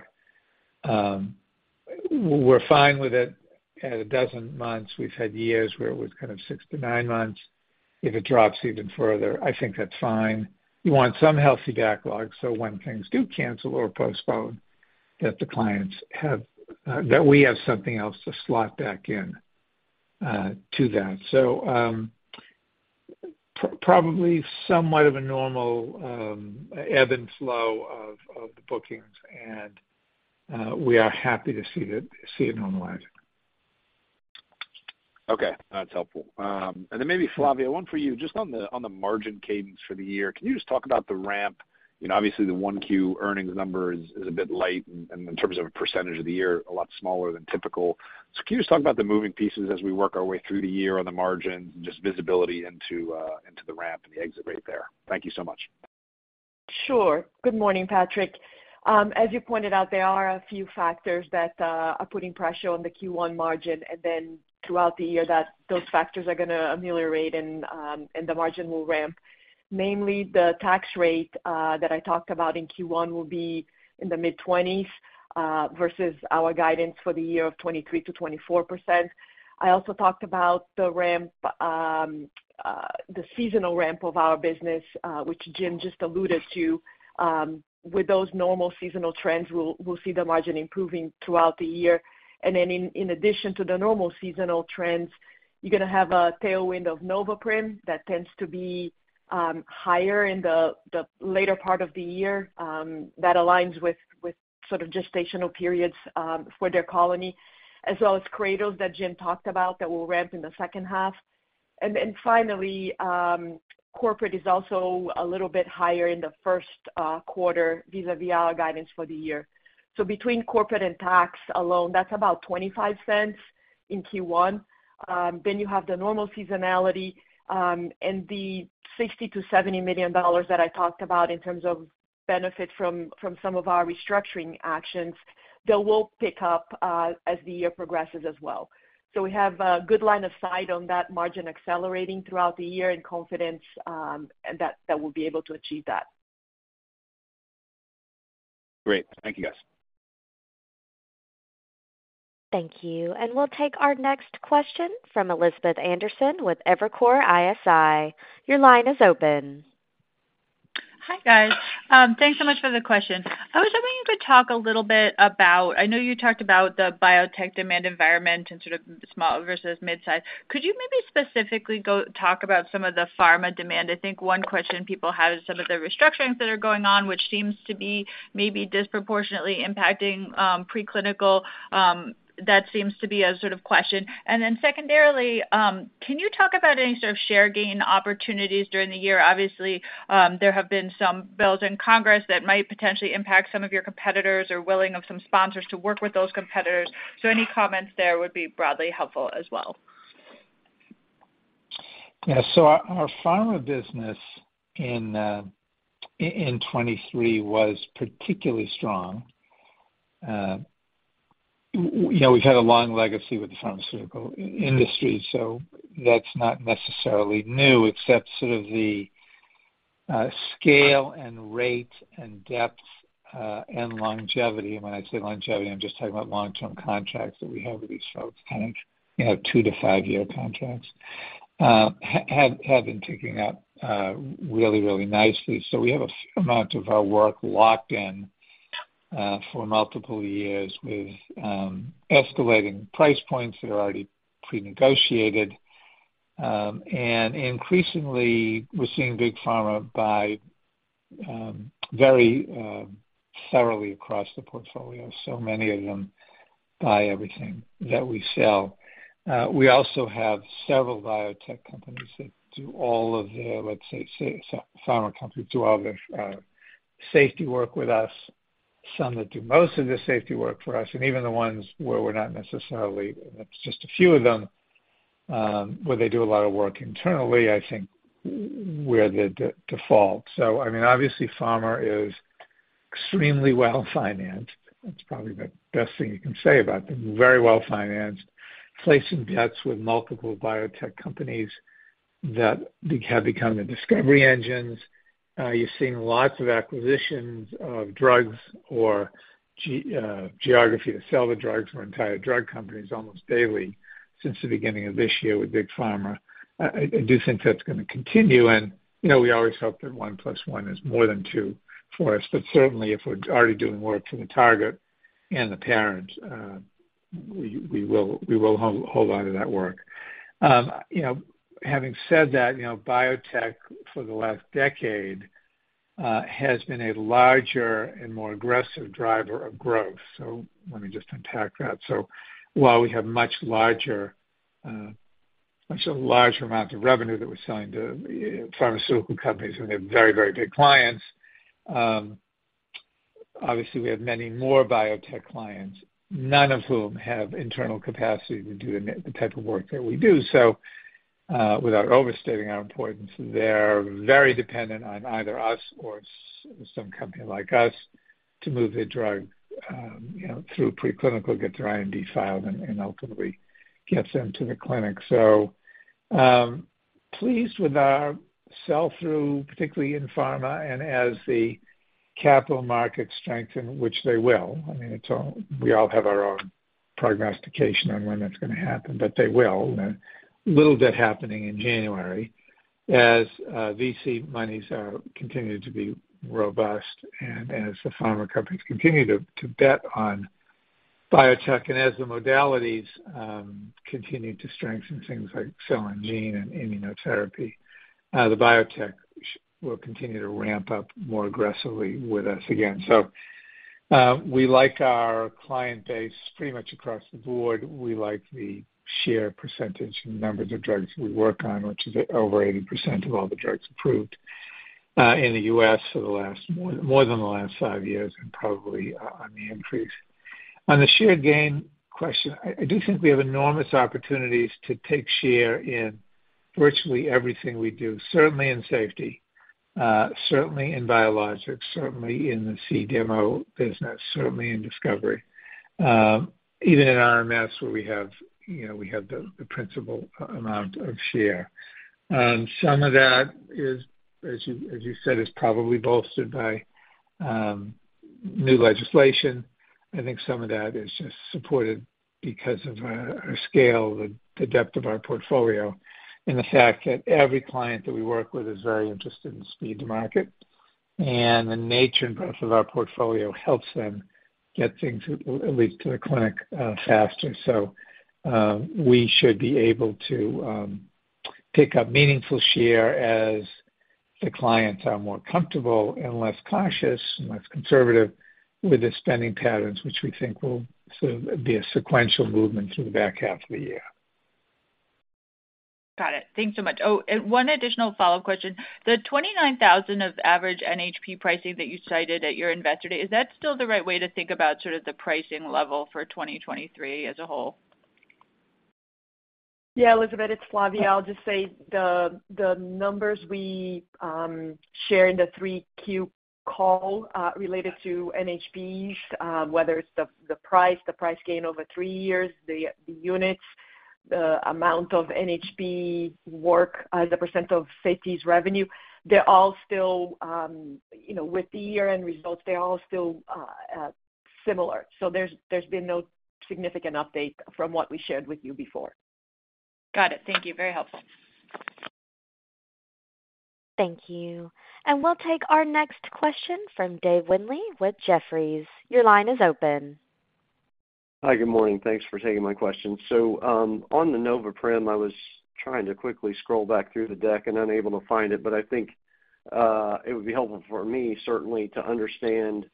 we're fine with it at 12 months. We've had years where it was kind of 6-9 months. If it drops even further, I think that's fine. You want some healthy backlog, so when things do cancel or postpone, that the clients have, that we have something else to slot back in, to that. So, probably somewhat of a normal ebb and flow of the bookings, and we are happy to see it normalizing. Okay, that's helpful. And then maybe, Flavia, one for you. Just on the margin cadence for the year, can you just talk about the ramp? You know, obviously, the 1Q earnings number is a bit light, and in terms of a percentage of the year, a lot smaller than typical. So can you just talk about the moving pieces as we work our way through the year on the margin, just visibility into the ramp and the exit rate there? Thank you so much. Sure. Good morning, Patrick. As you pointed out, there are a few factors that are putting pressure on the Q1 margin, and then throughout the year, that those factors are gonna ameliorate and the margin will ramp. Mainly, the tax rate that I talked about in Q1 will be in the mid-20s versus our guidance for the year of 23%-24%. I also talked about the ramp the seasonal ramp of our business which Jim just alluded to. With those normal seasonal trends, we'll see the margin improving throughout the year. And then in addition to the normal seasonal trends, you're gonna have a tailwind of NovoPrim. That tends to be higher in the later part of the year. That aligns with sort of gestational periods for their colony, as well as CRADLs that Jim talked about, that will ramp in the second half. Then finally, corporate is also a little bit higher in the first quarter vis-a-vis our guidance for the year. So between corporate and tax alone, that's about $0.25 in Q1. Then you have the normal seasonality, and the $60 million-$70 million that I talked about in terms of benefit from some of our restructuring actions; they will pick up as the year progresses as well. So we have a good line of sight on that margin accelerating throughout the year and confidence and that we'll be able to achieve that. Great. Thank you, guys. Thank you. And we'll take our next question from Elizabeth Anderson with Evercore ISI. Your line is open. Hi, guys. Thanks so much for the question. I was hoping you could talk a little bit about... I know you talked about the biotech demand environment and sort of small versus mid-size. Could you maybe specifically go talk about some of the pharma demand? I think one question people have is some of the restructurings that are going on, which seems to be maybe disproportionately impacting preclinical. That seems to be a sort of question. And then secondarily, can you talk about any sort of share gain opportunities during the year? Obviously, there have been some bills in Congress that might potentially impact some of your competitors or willing of some sponsors to work with those competitors. So any comments there would be broadly helpful as well.... Yeah, so our pharma business in 2023 was particularly strong. We, you know, we've had a long legacy with the pharmaceutical industry, so that's not necessarily new, except sort of the scale and rate and depth and longevity. When I say longevity, I'm just talking about long-term contracts that we have with these folks, kind of, you know, 2- to 5-year contracts. Have been ticking up really nicely. So we have a fair amount of our work locked in for multiple years with escalating price points that are already prenegotiated. And increasingly, we're seeing big pharma buy very thoroughly across the portfolio. So many of them buy everything that we sell. We also have several biotech companies that do all of the, let's say, pharma companies do all the safety work with us, some that do most of the safety work for us, and even the ones where we're not necessarily, it's just a few of them, where they do a lot of work internally, I think we're the default. So I mean, obviously, pharma is extremely well-financed. That's probably the best thing you can say about them. Very well-financed, placing bets with multiple biotech companies that have become the discovery engines. You're seeing lots of acquisitions of drugs or geography to sell the drugs, or entire drug companies, almost daily since the beginning of this year with big pharma. I do think that's gonna continue, and, you know, we always hope that one plus one is more than two for us. But certainly, if we're already doing work for the target and the parent, we will hold onto that work. You know, having said that, you know, biotech for the last decade has been a larger and more aggressive driver of growth. So let me just unpack that. So while we have much larger amounts of revenue that we're selling to pharmaceutical companies, and they're very, very big clients, obviously, we have many more biotech clients, none of whom have internal capacity to do the type of work that we do. So without overstating our importance, they're very dependent on either us or some company like us to move the drug, you know, through preclinical, get their IND filed, and ultimately gets them to the clinic. So, pleased with our sell-through, particularly in pharma, and as the capital markets strengthen, which they will. I mean, it's all. We all have our own prognostication on when that's gonna happen, but they will. And a little bit happening in January as VC monies continue to be robust and as the pharma companies continue to bet on biotech, and as the modalities continue to strengthen things like cell and gene and immunotherapy, the biotech will continue to ramp up more aggressively with us again. So, we like our client base pretty much across the board. We like the share percentage and numbers of drugs we work on, which is over 80% of all the drugs approved in the U.S. for the last more than the last five years, and probably on the increase. On the share gain question, I do think we have enormous opportunities to take share in virtually everything we do. Certainly in safety, certainly in biologics, certainly in the CDMO business, certainly in discovery. Even in RMS, where we have, you know, we have the principal amount of share. And some of that is, as you said, is probably bolstered by new legislation. I think some of that is just supported because of our scale, the depth of our portfolio, and the fact that every client that we work with is very interested in speed to market. And the nature and breadth of our portfolio helps them get things at least to the clinic, faster. We should be able to pick up meaningful share as the clients are more comfortable and less cautious and less conservative with their spending patterns, which we think will sort of be a sequential movement through the back half of the year. Got it. Thanks so much. Oh, and one additional follow-up question. The $29,000 of average NHP pricing that you cited at your Investor Day, is that still the right way to think about sort of the pricing level for 2023 as a whole? Yeah, Elizabeth, it's Flavia. I'll just say the numbers we shared in the 3Q call related to NHPs, whether it's the price, the price gain over three years, the units, the amount of NHP work as a % of Safety's revenue, they're all still, you know, with the year-end results, they're all still similar. So there's been no significant update from what we shared with you before. Got it. Thank you. Very helpful. Thank you. We'll take our next question from Dave Wendley with Jefferies. Your line is open. Hi, good morning. Thanks for taking my question. So, on the NovoPrim, I was trying to quickly scroll back through the deck and unable to find it, but I think it would be helpful for me, certainly, to understand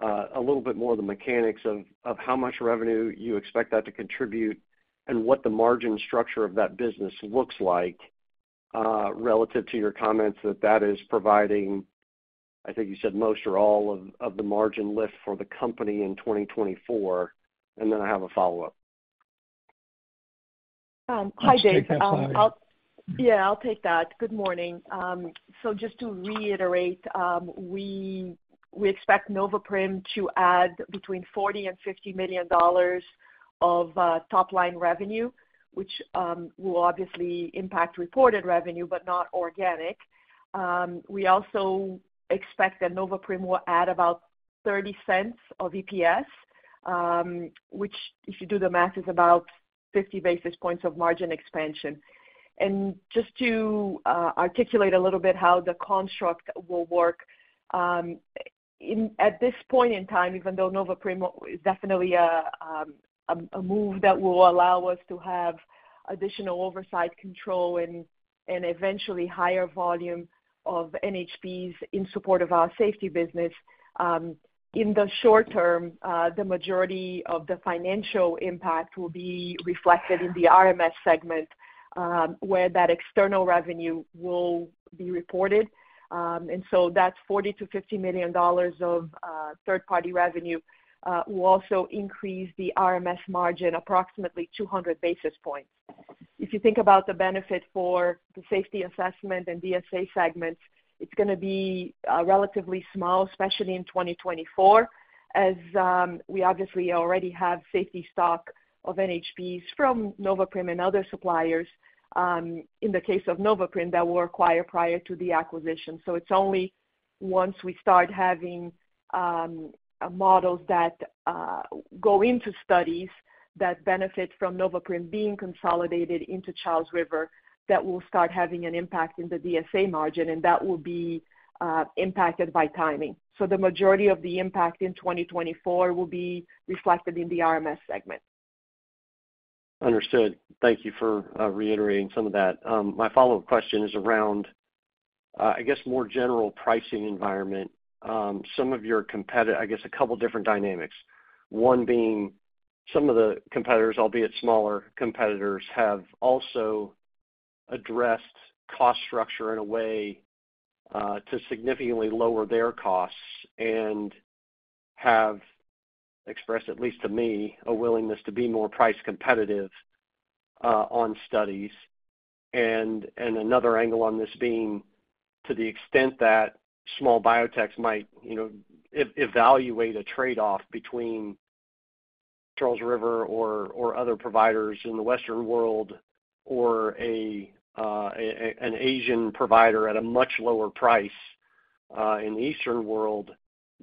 a little bit more of the mechanics of how much revenue you expect that to contribute, and what the margin structure of that business looks like, relative to your comments that that is providing, I think you said most or all of the margin lift for the company in 2024, and then I have a follow-up. Hi, Dave. Yeah, I'll take that. Good morning. So just to reiterate, we expect NovoPrim to add between $40 million and $50 million of top-line revenue, which will obviously impact reported revenue, but not organic. We also expect that NovoPrim will add about $0.30 of EPS, which, if you do the math, is about 50 basis points of margin expansion. And just to articulate a little bit how the construct will work. At this point in time, even though NovoPrim is definitely a move that will allow us to have additional oversight control and eventually higher volume of NHPs in support of our safety business, in the short term, the majority of the financial impact will be reflected in the RMS segment, where that external revenue will be reported. And so that's $40 million-$50 million of third-party revenue will also increase the RMS margin, approximately 200 basis points. If you think about the benefit for the Safety Assessment and DSA segments, it's gonna be relatively small, especially in 2024, as we obviously already have safety stock of NHPs from NovoPrim and other suppliers, in the case of NovoPrim, that were acquired prior to the acquisition. So it's only once we start having models that go into studies that benefit from NovoPrim being consolidated into Charles River, that will start having an impact in the DSA margin, and that will be impacted by timing. So the majority of the impact in 2024 will be reflected in the RMS segment. Understood. Thank you for reiterating some of that. My follow-up question is around, I guess, more general pricing environment. I guess, a couple different dynamics. One being, some of the competitors, albeit smaller competitors, have also addressed cost structure in a way to significantly lower their costs and have expressed, at least to me, a willingness to be more price competitive on studies. And another angle on this being, to the extent that small biotechs might, you know, evaluate a trade-off between Charles River or other providers in the Western world, or a an Asian provider at a much lower price in the Eastern world,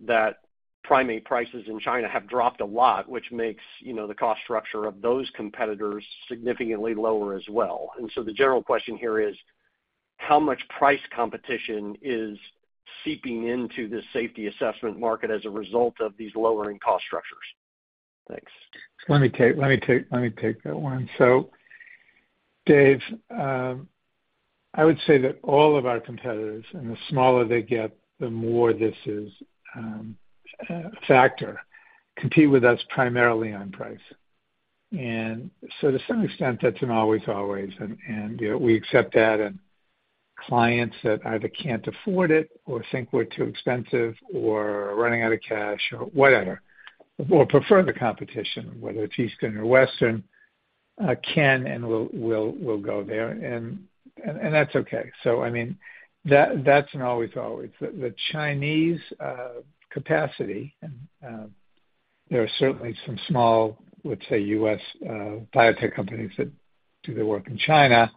that primate prices in China have dropped a lot, which makes, you know, the cost structure of those competitors significantly lower as well. So the general question here is, how much price competition is seeping into this Safety Assessment market as a result of these lowering cost structures? Thanks. Let me take that one. So, Dave, I would say that all of our competitors, and the smaller they get, the more this is a factor, compete with us primarily on price. And so to some extent, that's an always, and you know, we accept that and clients that either can't afford it or think we're too expensive or are running out of cash or whatever, or prefer the competition, whether it's Eastern or Western, can and will go there, and that's okay. So I mean, that's an always. The Chinese capacity, and there are certainly some small, let's say, U.S. biotech companies that do their work in China.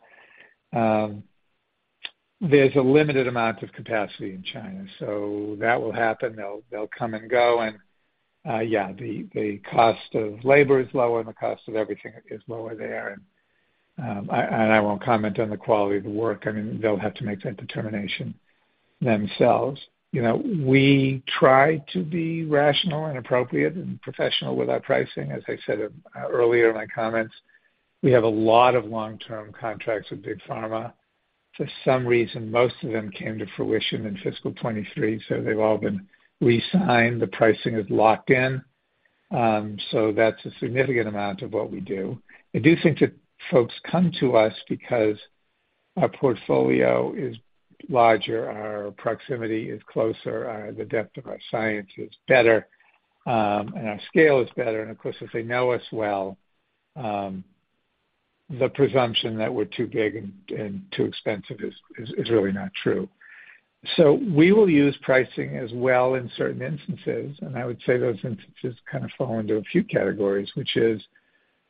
There's a limited amount of capacity in China, so that will happen. They'll, they'll come and go, and the cost of labor is lower and the cost of everything is lower there. And I won't comment on the quality of the work. I mean, they'll have to make that determination themselves. You know, we try to be rational and appropriate and professional with our pricing. As I said, earlier in my comments, we have a lot of long-term contracts with big pharma. For some reason, most of them came to fruition in fiscal 2023, so they've all been re-signed. The pricing is locked in. So that's a significant amount of what we do. I do think that folks come to us because our portfolio is larger, our proximity is closer, the depth of our science is better, and our scale is better. And of course, if they know us well, the presumption that we're too big and, and too expensive is, is, is really not true. So we will use pricing as well in certain instances, and I would say those instances kind of fall into a few categories, which is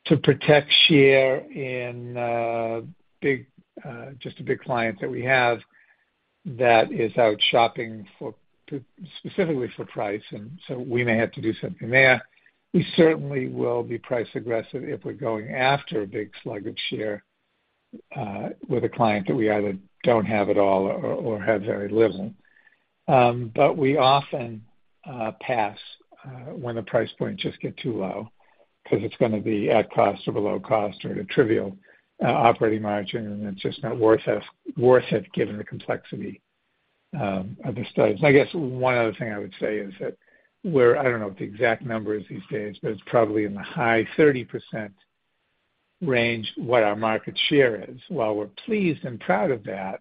to protect share in big, just the big clients that we have that is out shopping for, specifically for price, and so we may have to do something there. We certainly will be price aggressive if we're going after a big slug of share with a client that we either don't have at all or, or have very little. But we often pass when the price points just get too low, because it's gonna be at cost or below cost or a trivial operating margin, and it's just not worth it, worth it, given the complexity of the studies. I guess one other thing I would say is that we're. I don't know what the exact number is these days, but it's probably in the high 30% range what our market share is. While we're pleased and proud of that,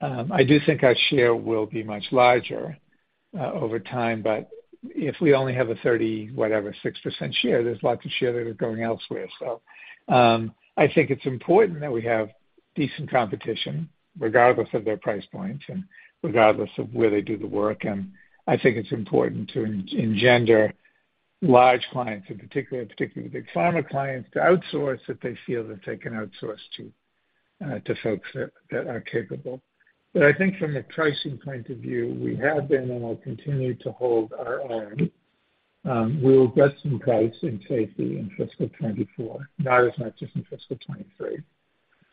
I do think our share will be much larger over time, but if we only have a thirty-whatever 6% share, there's lots of share that are going elsewhere. I think it's important that we have decent competition regardless of their price points and regardless of where they do the work, and I think it's important to engender large clients, in particular, particularly big pharma clients, to outsource if they feel that they can outsource to folks that are capable. But I think from a pricing point of view, we have been and will continue to hold our own. We will adjust in price and take the hit in fiscal 2024, not as much as in fiscal 2023. So that's,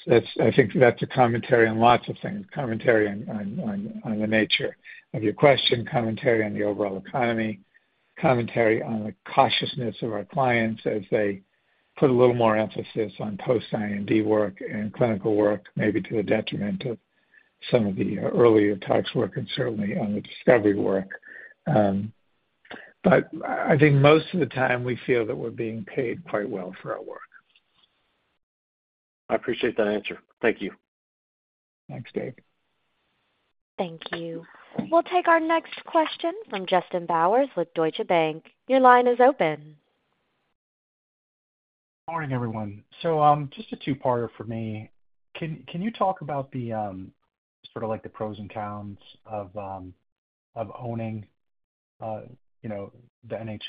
I think that's a commentary on lots of things, commentary on the nature of your question, commentary on the overall economy, commentary on the cautiousness of our clients as they put a little more emphasis on post-IND work and clinical work, maybe to the detriment of some of the earlier tox work and certainly on the discovery work. But I think most of the time we feel that we're being paid quite well for our work. I appreciate that answer. Thank you. Thanks, Dave. Thank you. We'll take our next question from Justin Bowers with Deutsche Bank. Your line is open. Morning, everyone. So, just a two-parter for me. Can you talk about the sort of like the pros and cons of owning you know the NHP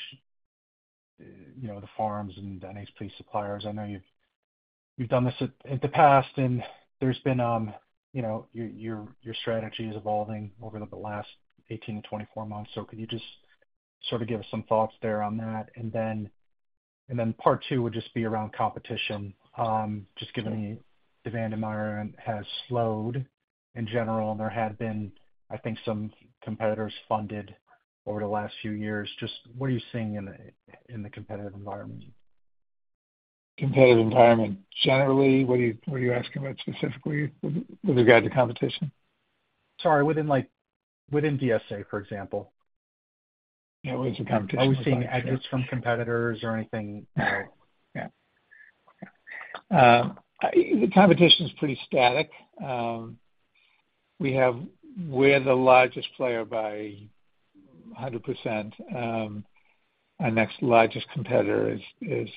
you know the farms and the NHP suppliers? I know you've done this in the past and there's been your strategy is evolving over the last 18-24 months. So could you just sort of give us some thoughts there on that? And then part two would just be around competition. Just given the demand environment has slowed in general, and there have been, I think, some competitors funded over the last few years. Just what are you seeing in the competitive environment? Competitive environment, generally, what are you, what are you asking about specifically with, with regard to competition? Sorry, within, like, within DSA, for example. There's a competition- Are we seeing edges from competitors or anything like that? Yeah. The competition is pretty static. We're the largest player by 100%. Our next largest competitor is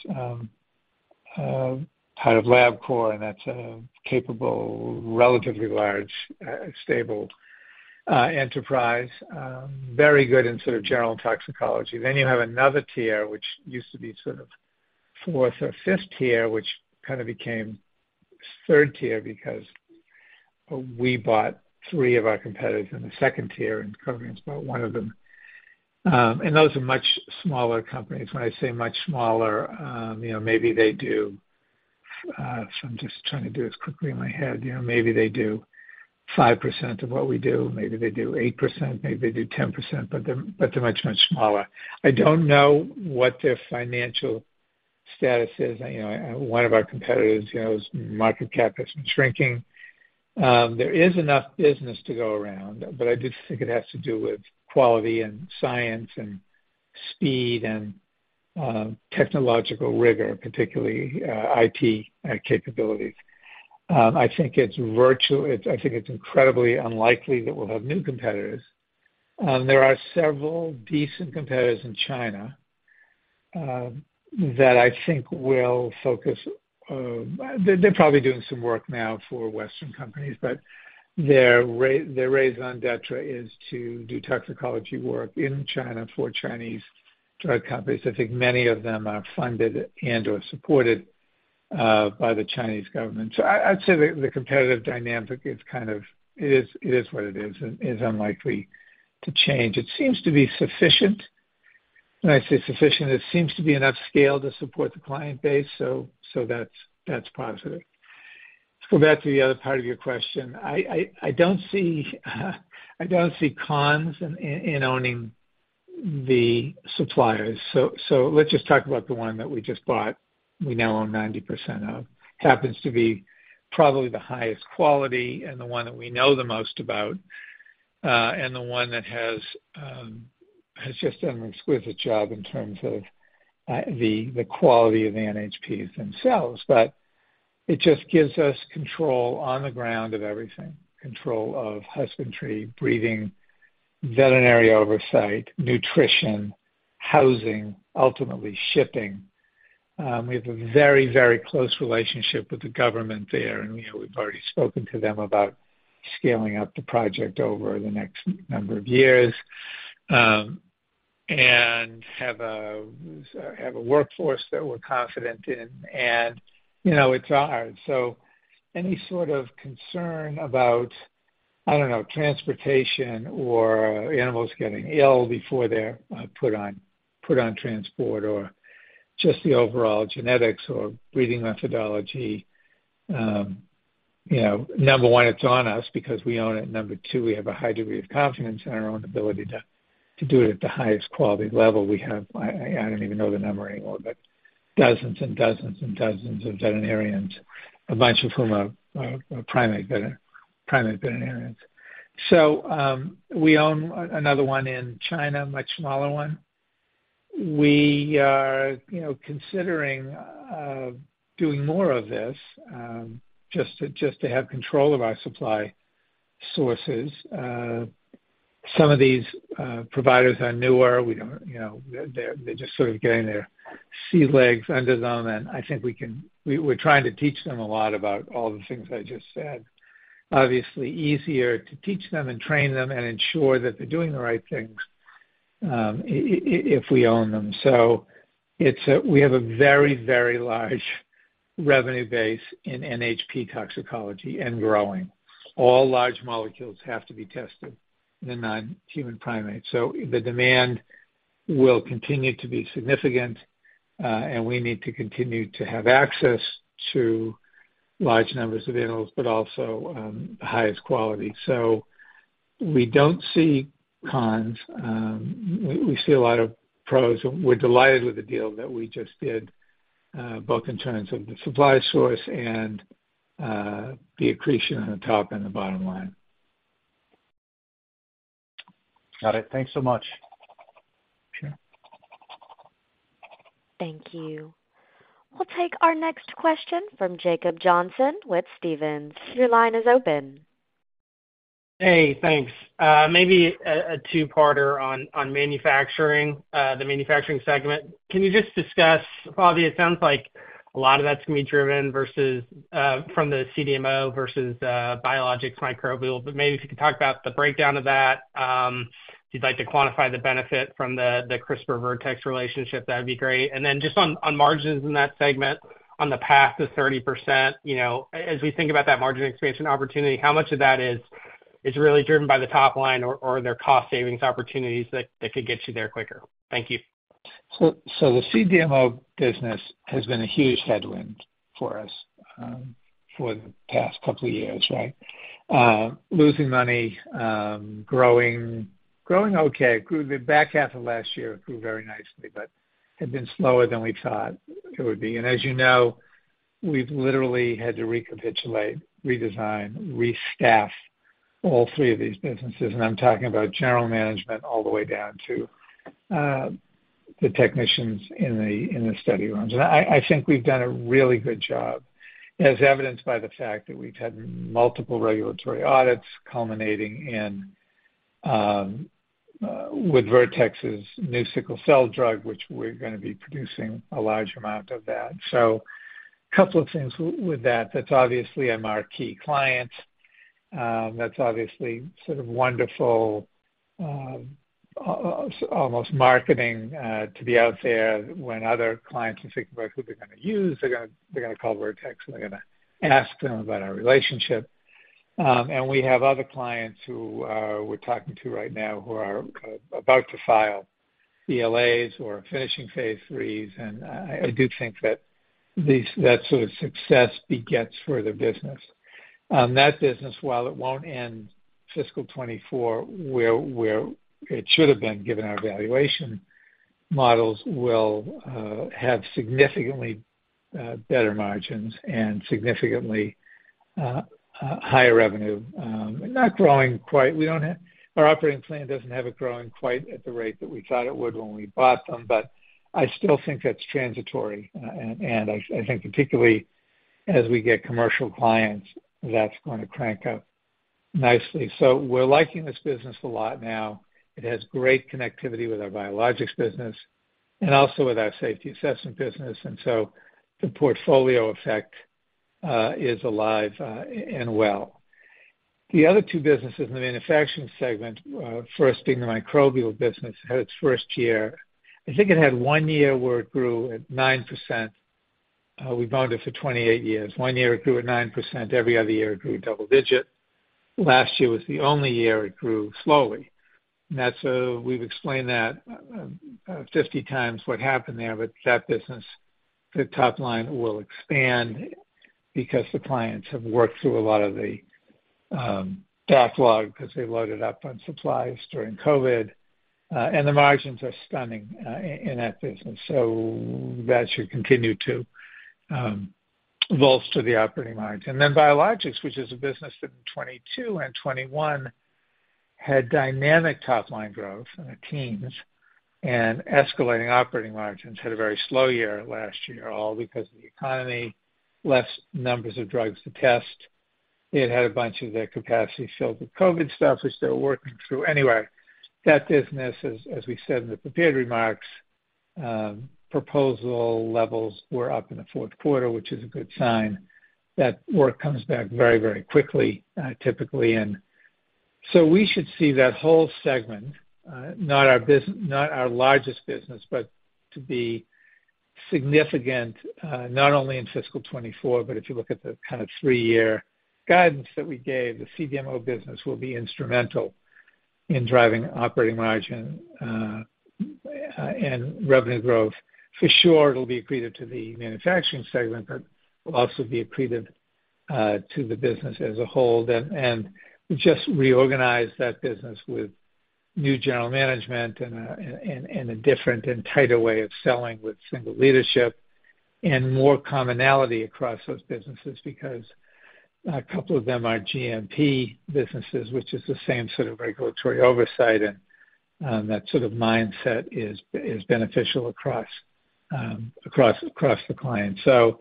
out of LabCorp, and that's a capable, relatively large, stable enterprise, very good in sort of general toxicology. Then you have another tier, which used to be sort of fourth or fifth tier, which kind of became third tier because we bought three of our competitors in the second tier, and Covance bought one of them. And those are much smaller companies. When I say much smaller, you know, maybe they do, so I'm just trying to do this quickly in my head. You know, maybe they do 5% of what we do. Maybe they do 8%, maybe they do 10%, but they're, but they're much, much smaller. I don't know what their financial status is. You know, one of our competitors, you know, its market cap has been shrinking. There is enough business to go around, but I do think it has to do with quality and science and speed and technological rigor, particularly IP capabilities. I think it's incredibly unlikely that we'll have new competitors. There are several decent competitors in China that I think will focus. They're probably doing some work now for Western companies, but their raison d'être is to do toxicology work in China for Chinese drug companies. I think many of them are funded and/or supported by the Chinese government. So I'd say the competitive dynamic is kind of, it is what it is, and is unlikely to change. It seems to be sufficient. When I say sufficient, it seems to be enough scale to support the client base, that's positive. Let's go back to the other part of your question. I don't see cons in owning the suppliers. So let's just talk about the one that we just bought, we now own 90% of. Happens to be probably the highest quality and the one that we know the most about, and the one that has just done an exquisite job in terms of the quality of the NHPs themselves. But it just gives us control on the ground of everything, control of husbandry, breeding, veterinary oversight, nutrition, housing, ultimately shipping. We have a very, very close relationship with the government there, and, you know, we've already spoken to them about scaling up the project over the next number of years, and have a workforce that we're confident in, and, you know, it's ours. So any sort of concern about, I don't know, transportation or animals getting ill before they're put on transport, or just the overall genetics or breeding methodology, you know, number one, it's on us because we own it. Number two, we have a high degree of confidence in our own ability to do it at the highest quality level. We have, I don't even know the number anymore, but dozens and dozens and dozens of veterinarians, a bunch of whom are primate veterinarians. So, we own another one in China, a much smaller one. We are, you know, considering doing more of this, just to have control of our supply sources. Some of these providers are newer. We don't, you know, they're just sort of getting their sea legs under them, and I think we're trying to teach them a lot about all the things I just said. Obviously, easier to teach them and train them and ensure that they're doing the right things, if we own them. So we have a very, very large revenue base in NHP toxicology and growing. All large molecules have to be tested in the non-human primates. So the demand will continue to be significant, and we need to continue to have access to large numbers of animals, but also, the highest quality. So we don't see cons. We see a lot of pros, and we're delighted with the deal that we just did, both in terms of the supply source and, the accretion on the top and the bottom line. Got it. Thanks so much. Sure. Thank you. We'll take our next question from Jacob Johnson with Stephens. Your line is open. Hey, thanks. Maybe a two-parter on manufacturing, the manufacturing segment. Can you just discuss, obviously, it sounds like a lot of that's gonna be driven versus from the CDMO versus biologics Microbial, but maybe if you could talk about the breakdown of that. If you'd like to quantify the benefit from the CRISPR-Vertex relationship, that'd be great. And then just on margins in that segment, on the path to 30%, you know, as we think about that margin expansion opportunity, how much of that is really driven by the top line or are there cost savings opportunities that could get you there quicker? Thank you. So, the CDMO business has been a huge headwind for us for the past couple of years, right? Losing money, growing okay. The back half of last year, it grew very nicely, but had been slower than we thought it would be. As you know, we've literally had to recapitulate, redesign, restaff all three of these businesses, and I'm talking about general management all the way down to the technicians in the study rooms. I think we've done a really good job, as evidenced by the fact that we've had multiple regulatory audits culminating in with Vertex's new sickle cell drug, which we're gonna be producing a large amount of that. So a couple of things with that. That's obviously a marquee client. That's obviously sort of wonderful, almost marketing, to be out there when other clients are thinking about who they're gonna use, they're gonna call Vertex, and they're gonna ask them about our relationship. We have other clients who we're talking to right now who are about to file BLAs or finishing phase 3s, and I do think that that sort of success begets further business. That business, while it won't end fiscal 2024 where it should have been, given our valuation models, will have significantly better margins and significantly higher revenue. Our operating plan doesn't have it growing quite at the rate that we thought it would when we bought them, but I still think that's transitory. And I think particularly as we get commercial clients, that's going to crank up nicely. So we're liking this business a lot now. It has great connectivity with our biologics business and also with our Safety Assessment business, and so the portfolio effect is alive and well. The other two businesses in the manufacturing segment, first being the Microbial business, had its first year. I think it had one year where it grew at 9%. We've owned it for 28 years. One year, it grew at 9%. Every other year, it grew double digit. Last year was the only year it grew slowly. And that's. We've explained that 50 times what happened there, but that business, the top line will expand because the clients have worked through a lot of the backlog as they loaded up on supplies during COVID. And the margins are stunning in that business, so that should continue to bolster the operating margin. And then biologics, which is a business that in 2022 and 2021 had dynamic top-line growth in the teens and escalating operating margins, had a very slow year last year, all because of the economy, less numbers of drugs to test. It had a bunch of their capacity filled with COVID stuff they're still working through. Anyway, that business as we said in the prepared remarks, proposal levels were up in the fourth quarter, which is a good sign. That work comes back very, very quickly, typically. And so we should see that whole segment, not our bus- not our largest business, but to be significant, not only in fiscal 2024, but if you look at the kind of three-year guidance that we gave, the CDMO business will be instrumental in driving operating margin, and revenue growth. For sure, it'll be accretive to the manufacturing segment, but will also be accretive, to the business as a whole. Then, and we just reorganized that business with new general management and a different and tighter way of selling with single leadership... and more commonality across those businesses because a couple of them are GMP businesses, which is the same sort of regulatory oversight, and that sort of mindset is beneficial across the client. So,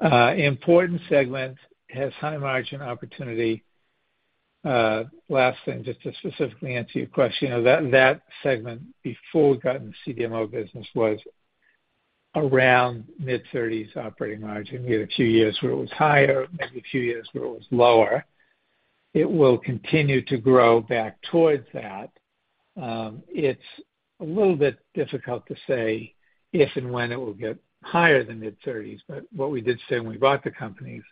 important segment, has high-margin opportunity. Last thing, just to specifically answer your question, you know, that segment before we got in the CDMO business was around mid-30s operating margin. We had a few years where it was higher, maybe a few years where it was lower. It will continue to grow back towards that. It's a little bit difficult to say if and when it will get higher than mid-30s, but what we did say when we bought the companies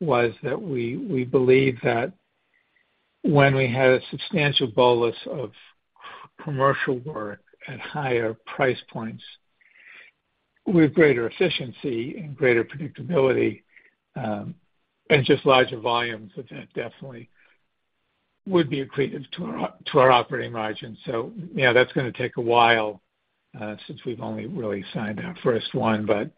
was that we believe that when we had a substantial bolus of commercial work at higher price points, with greater efficiency and greater predictability, and just larger volumes, that definitely would be accretive to our operating margin. So yeah, that's gonna take a while, since we've only really signed our first one. But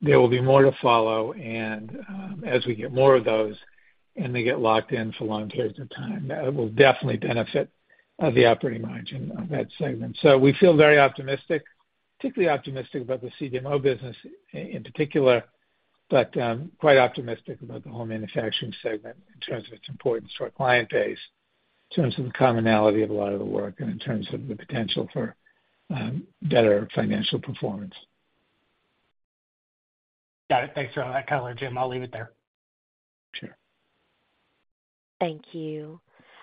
there will be more to follow, and as we get more of those and they get locked in for long periods of time, that will definitely benefit the operating margin on that segment. So we feel very optimistic, particularly optimistic about the CDMO business in particular, but quite optimistic about the whole manufacturing segment in terms of its importance to our client base, in terms of the commonality of a lot of the work, and in terms of the potential for better financial performance. Got it. Thanks for all that color, Jim. I'll leave it there. Sure. Thank you.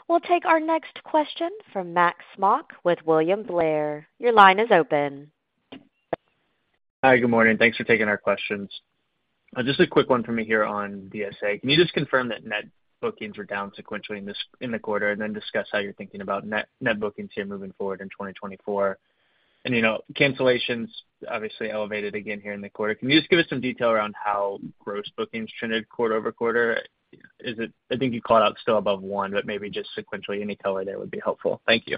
We'll take our next question from Max Smock with William Blair. Your line is open. Hi, good morning. Thanks for taking our questions. Just a quick one for me here on DSA. Can you just confirm that net bookings were down sequentially in this, in the quarter, and then discuss how you're thinking about net bookings here moving forward in 2024? You know, cancellations obviously elevated again here in the quarter. Can you just give us some detail around how gross bookings trended quarter-over-quarter? I think you called out still above 1, but maybe just sequentially, any color there would be helpful. Thank you.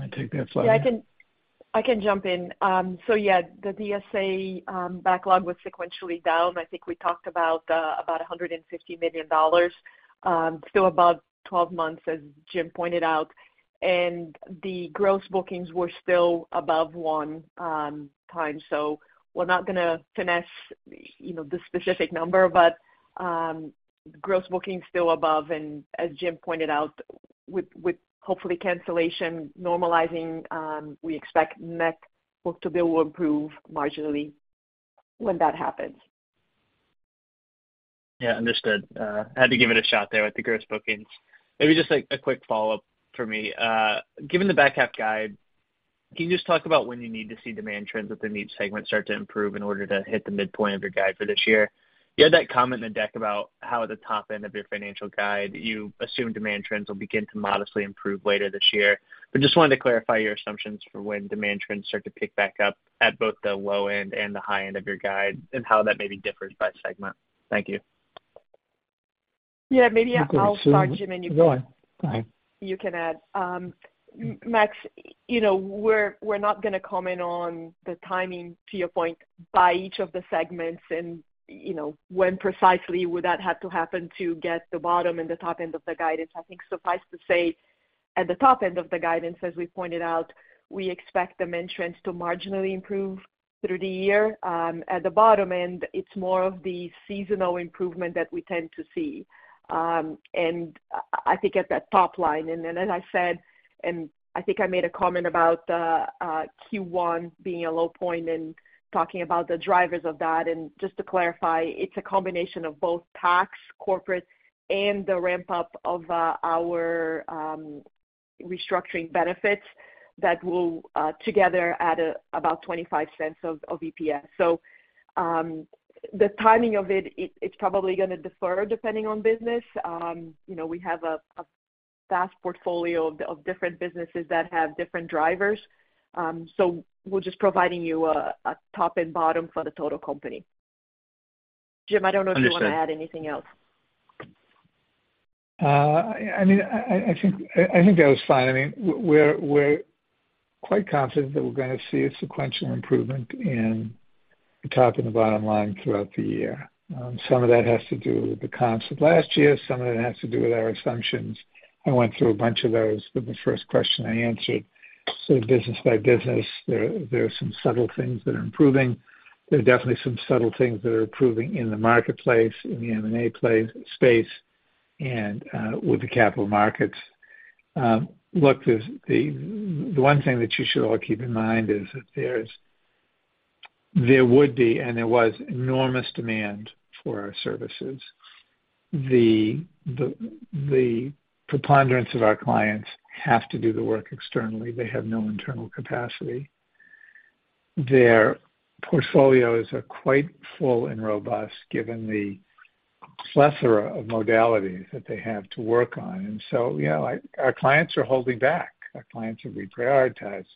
I take that, Flavia? Yeah, I can, I can jump in. So yeah, the DSA backlog was sequentially down. I think we talked about about a hundred and fifty million dollars, still above 12 months, as Jim pointed out, and the gross bookings were still above 1 time. So we're not gonna finesse, you know, the specific number, but, gross booking is still above, and as Jim pointed out, with, with hopefully cancellation normalizing, we expect net book to bill will improve marginally when that happens. Yeah, understood. Had to give it a shot there with the gross bookings. Maybe just like a quick follow-up for me. Given the back half guide, can you just talk about when you need to see demand trends within each segment start to improve in order to hit the midpoint of your guide for this year? You had that comment in the deck about how at the top end of your financial guide, you assume demand trends will begin to modestly improve later this year. But just wanted to clarify your assumptions for when demand trends start to pick back up at both the low end and the high end of your guide, and how that maybe differs by segment. Thank you. Yeah, maybe I'll- I could assume- Start, Jim, and you can- Go ahead. Fine You can add. Max, you know, we're not gonna comment on the timing, to your point, by each of the segments and, you know, when precisely would that have to happen to get the bottom and the top end of the guidance. I think suffice to say, at the top end of the guidance, as we pointed out, we expect demand trends to marginally improve through the year. At the bottom end, it's more of the seasonal improvement that we tend to see. And I think at that top line, and as I said, and I think I made a comment about Q1 being a low point and talking about the drivers of that, and just to clarify, it's a combination of both tax, corporate, and the ramp-up of our restructuring benefits that will together add about $0.25 of EPS. So, the timing of it, it's probably gonna defer depending on business. You know, we have a vast portfolio of different businesses that have different drivers. So we're just providing you a top and bottom for the total company. Jim, I don't know if you want to add anything else. I mean, I think that was fine. I mean, we're quite confident that we're gonna see a sequential improvement in the top and bottom line throughout the year. Some of that has to do with the comps of last year, some of that has to do with our assumptions. I went through a bunch of those with the first question I answered. So business by business, there are some subtle things that are improving. There are definitely some subtle things that are improving in the marketplace, in the M&A space, and with the capital markets. Look, the one thing that you should all keep in mind is that there was enormous demand for our services. The preponderance of our clients have to do the work externally. They have no internal capacity. Their portfolios are quite full and robust, given the plethora of modalities that they have to work on. And so, yeah, our clients are holding back. Our clients are reprioritized.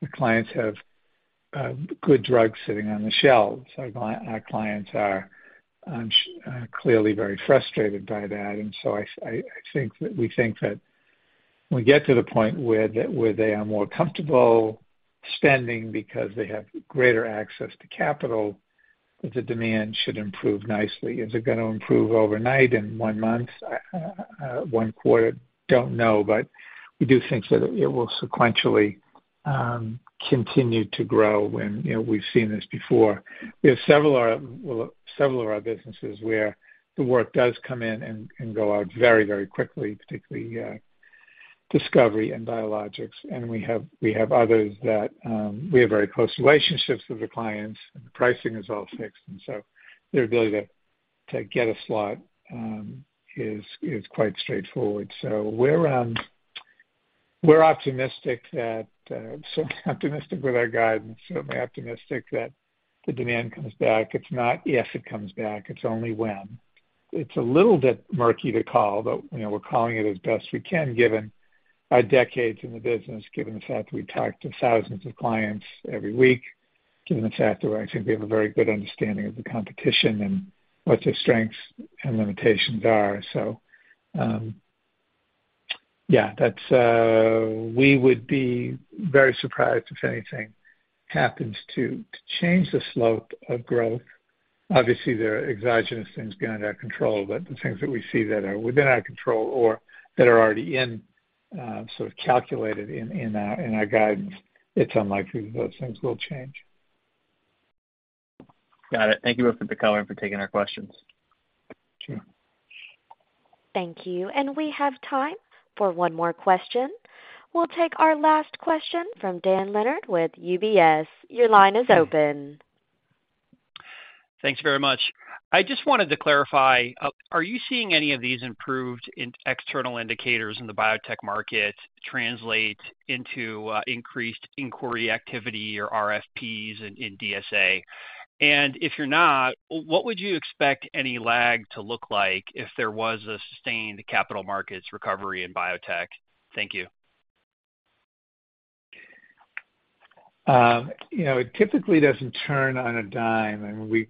The clients have good drugs sitting on the shelves. Our clients are clearly very frustrated by that. And so I think that we think that when we get to the point where they are more comfortable spending because they have greater access to capital, that the demand should improve nicely. Is it going to improve overnight, in one month, one quarter? Don't know, but we do think that it will sequentially continue to grow when, you know, we've seen this before. We have several of our, well, several of our businesses where the work does come in and go out very, very quickly, particularly discovery and biologics. We have others that we have very close relationships with the clients, and the pricing is all fixed, and so their ability to get a slot is quite straightforward. So we're optimistic that certainly optimistic with our guidance, certainly optimistic that the demand comes back. It's not if it comes back, it's only when. It's a little bit murky to call, but you know, we're calling it as best we can, given our decades in the business, given the fact that we talk to thousands of clients every week, given the fact that I think we have a very good understanding of the competition and what their strengths and limitations are. So, yeah, that's... We would be very surprised if anything happens to change the slope of growth. Obviously, there are exogenous things beyond our control, but the things that we see that are within our control or that are already in, sort of calculated in our guidance, it's unlikely that those things will change. Got it. Thank you for the color and for taking our questions. Sure. Thank you. We have time for one more question. We'll take our last question from Dan Leonard with UBS. Your line is open. Thanks very much. I just wanted to clarify, are you seeing any of these improved external indicators in the biotech market translate into, increased inquiry activity or RFPs in DSA? If you're not, what would you expect any lag to look like if there was a sustained capital markets recovery in biotech? Thank you. You know, it typically doesn't turn on a dime, and we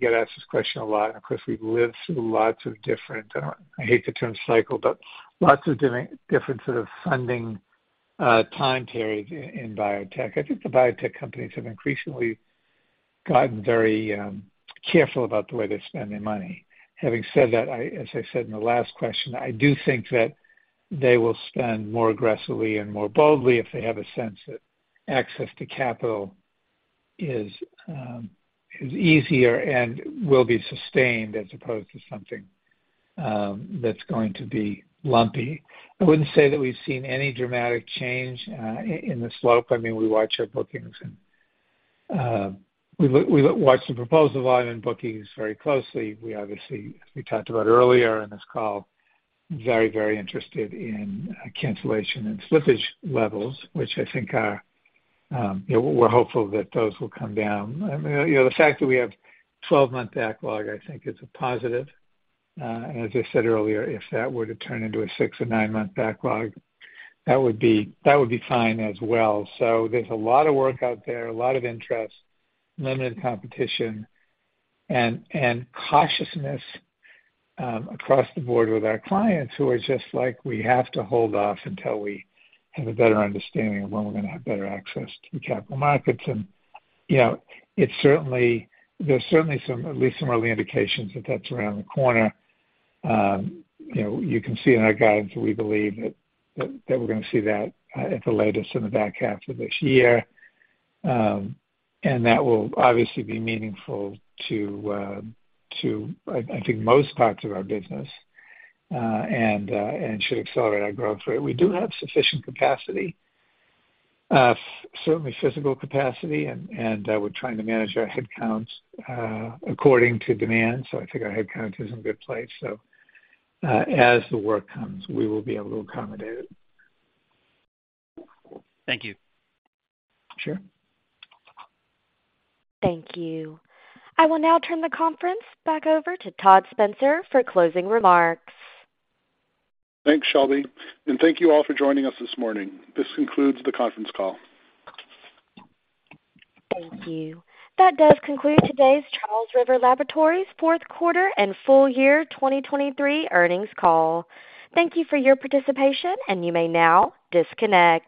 get asked this question a lot. Of course, we've lived through lots of different, I hate the term cycle, but lots of different sort of funding time periods in biotech. I think the biotech companies have increasingly gotten very careful about the way they spend their money. Having said that, as I said in the last question, I do think that they will spend more aggressively and more boldly if they have a sense that access to capital is easier and will be sustained as opposed to something that's going to be lumpy. I wouldn't say that we've seen any dramatic change in the slope. I mean, we watch our bookings and we watch the proposal volume and bookings very closely. We obviously, as we talked about earlier in this call, very, very interested in cancellation and slippage levels, which I think are, you know, we're hopeful that those will come down. I mean, you know, the fact that we have 12-month backlog, I think is a positive. And as I said earlier, if that were to turn into a 6- or 9-month backlog, that would be, that would be fine as well. So there's a lot of work out there, a lot of interest, limited competition, and cautiousness across the board with our clients who are just like, "We have to hold off until we have a better understanding of when we're going to have better access to the capital markets." And, you know, there's certainly some, at least some early indications that that's around the corner. You know, you can see in our guidance, we believe that we're going to see that at the latest in the back half of this year. And that will obviously be meaningful to, I think, most parts of our business and should accelerate our growth rate. We do have sufficient capacity, certainly physical capacity, and we're trying to manage our headcounts according to demand, so I think our headcount is in a good place. So, as the work comes, we will be able to accommodate it. Thank you. Sure. Thank you. I will now turn the conference back over to Todd Spencer for closing remarks. Thanks, Shelby, and thank you all for joining us this morning. This concludes the conference call. Thank you. That does conclude today's Charles River Laboratories fourth quarter and full year 2023 earnings call. Thank you for your participation, and you may now disconnect.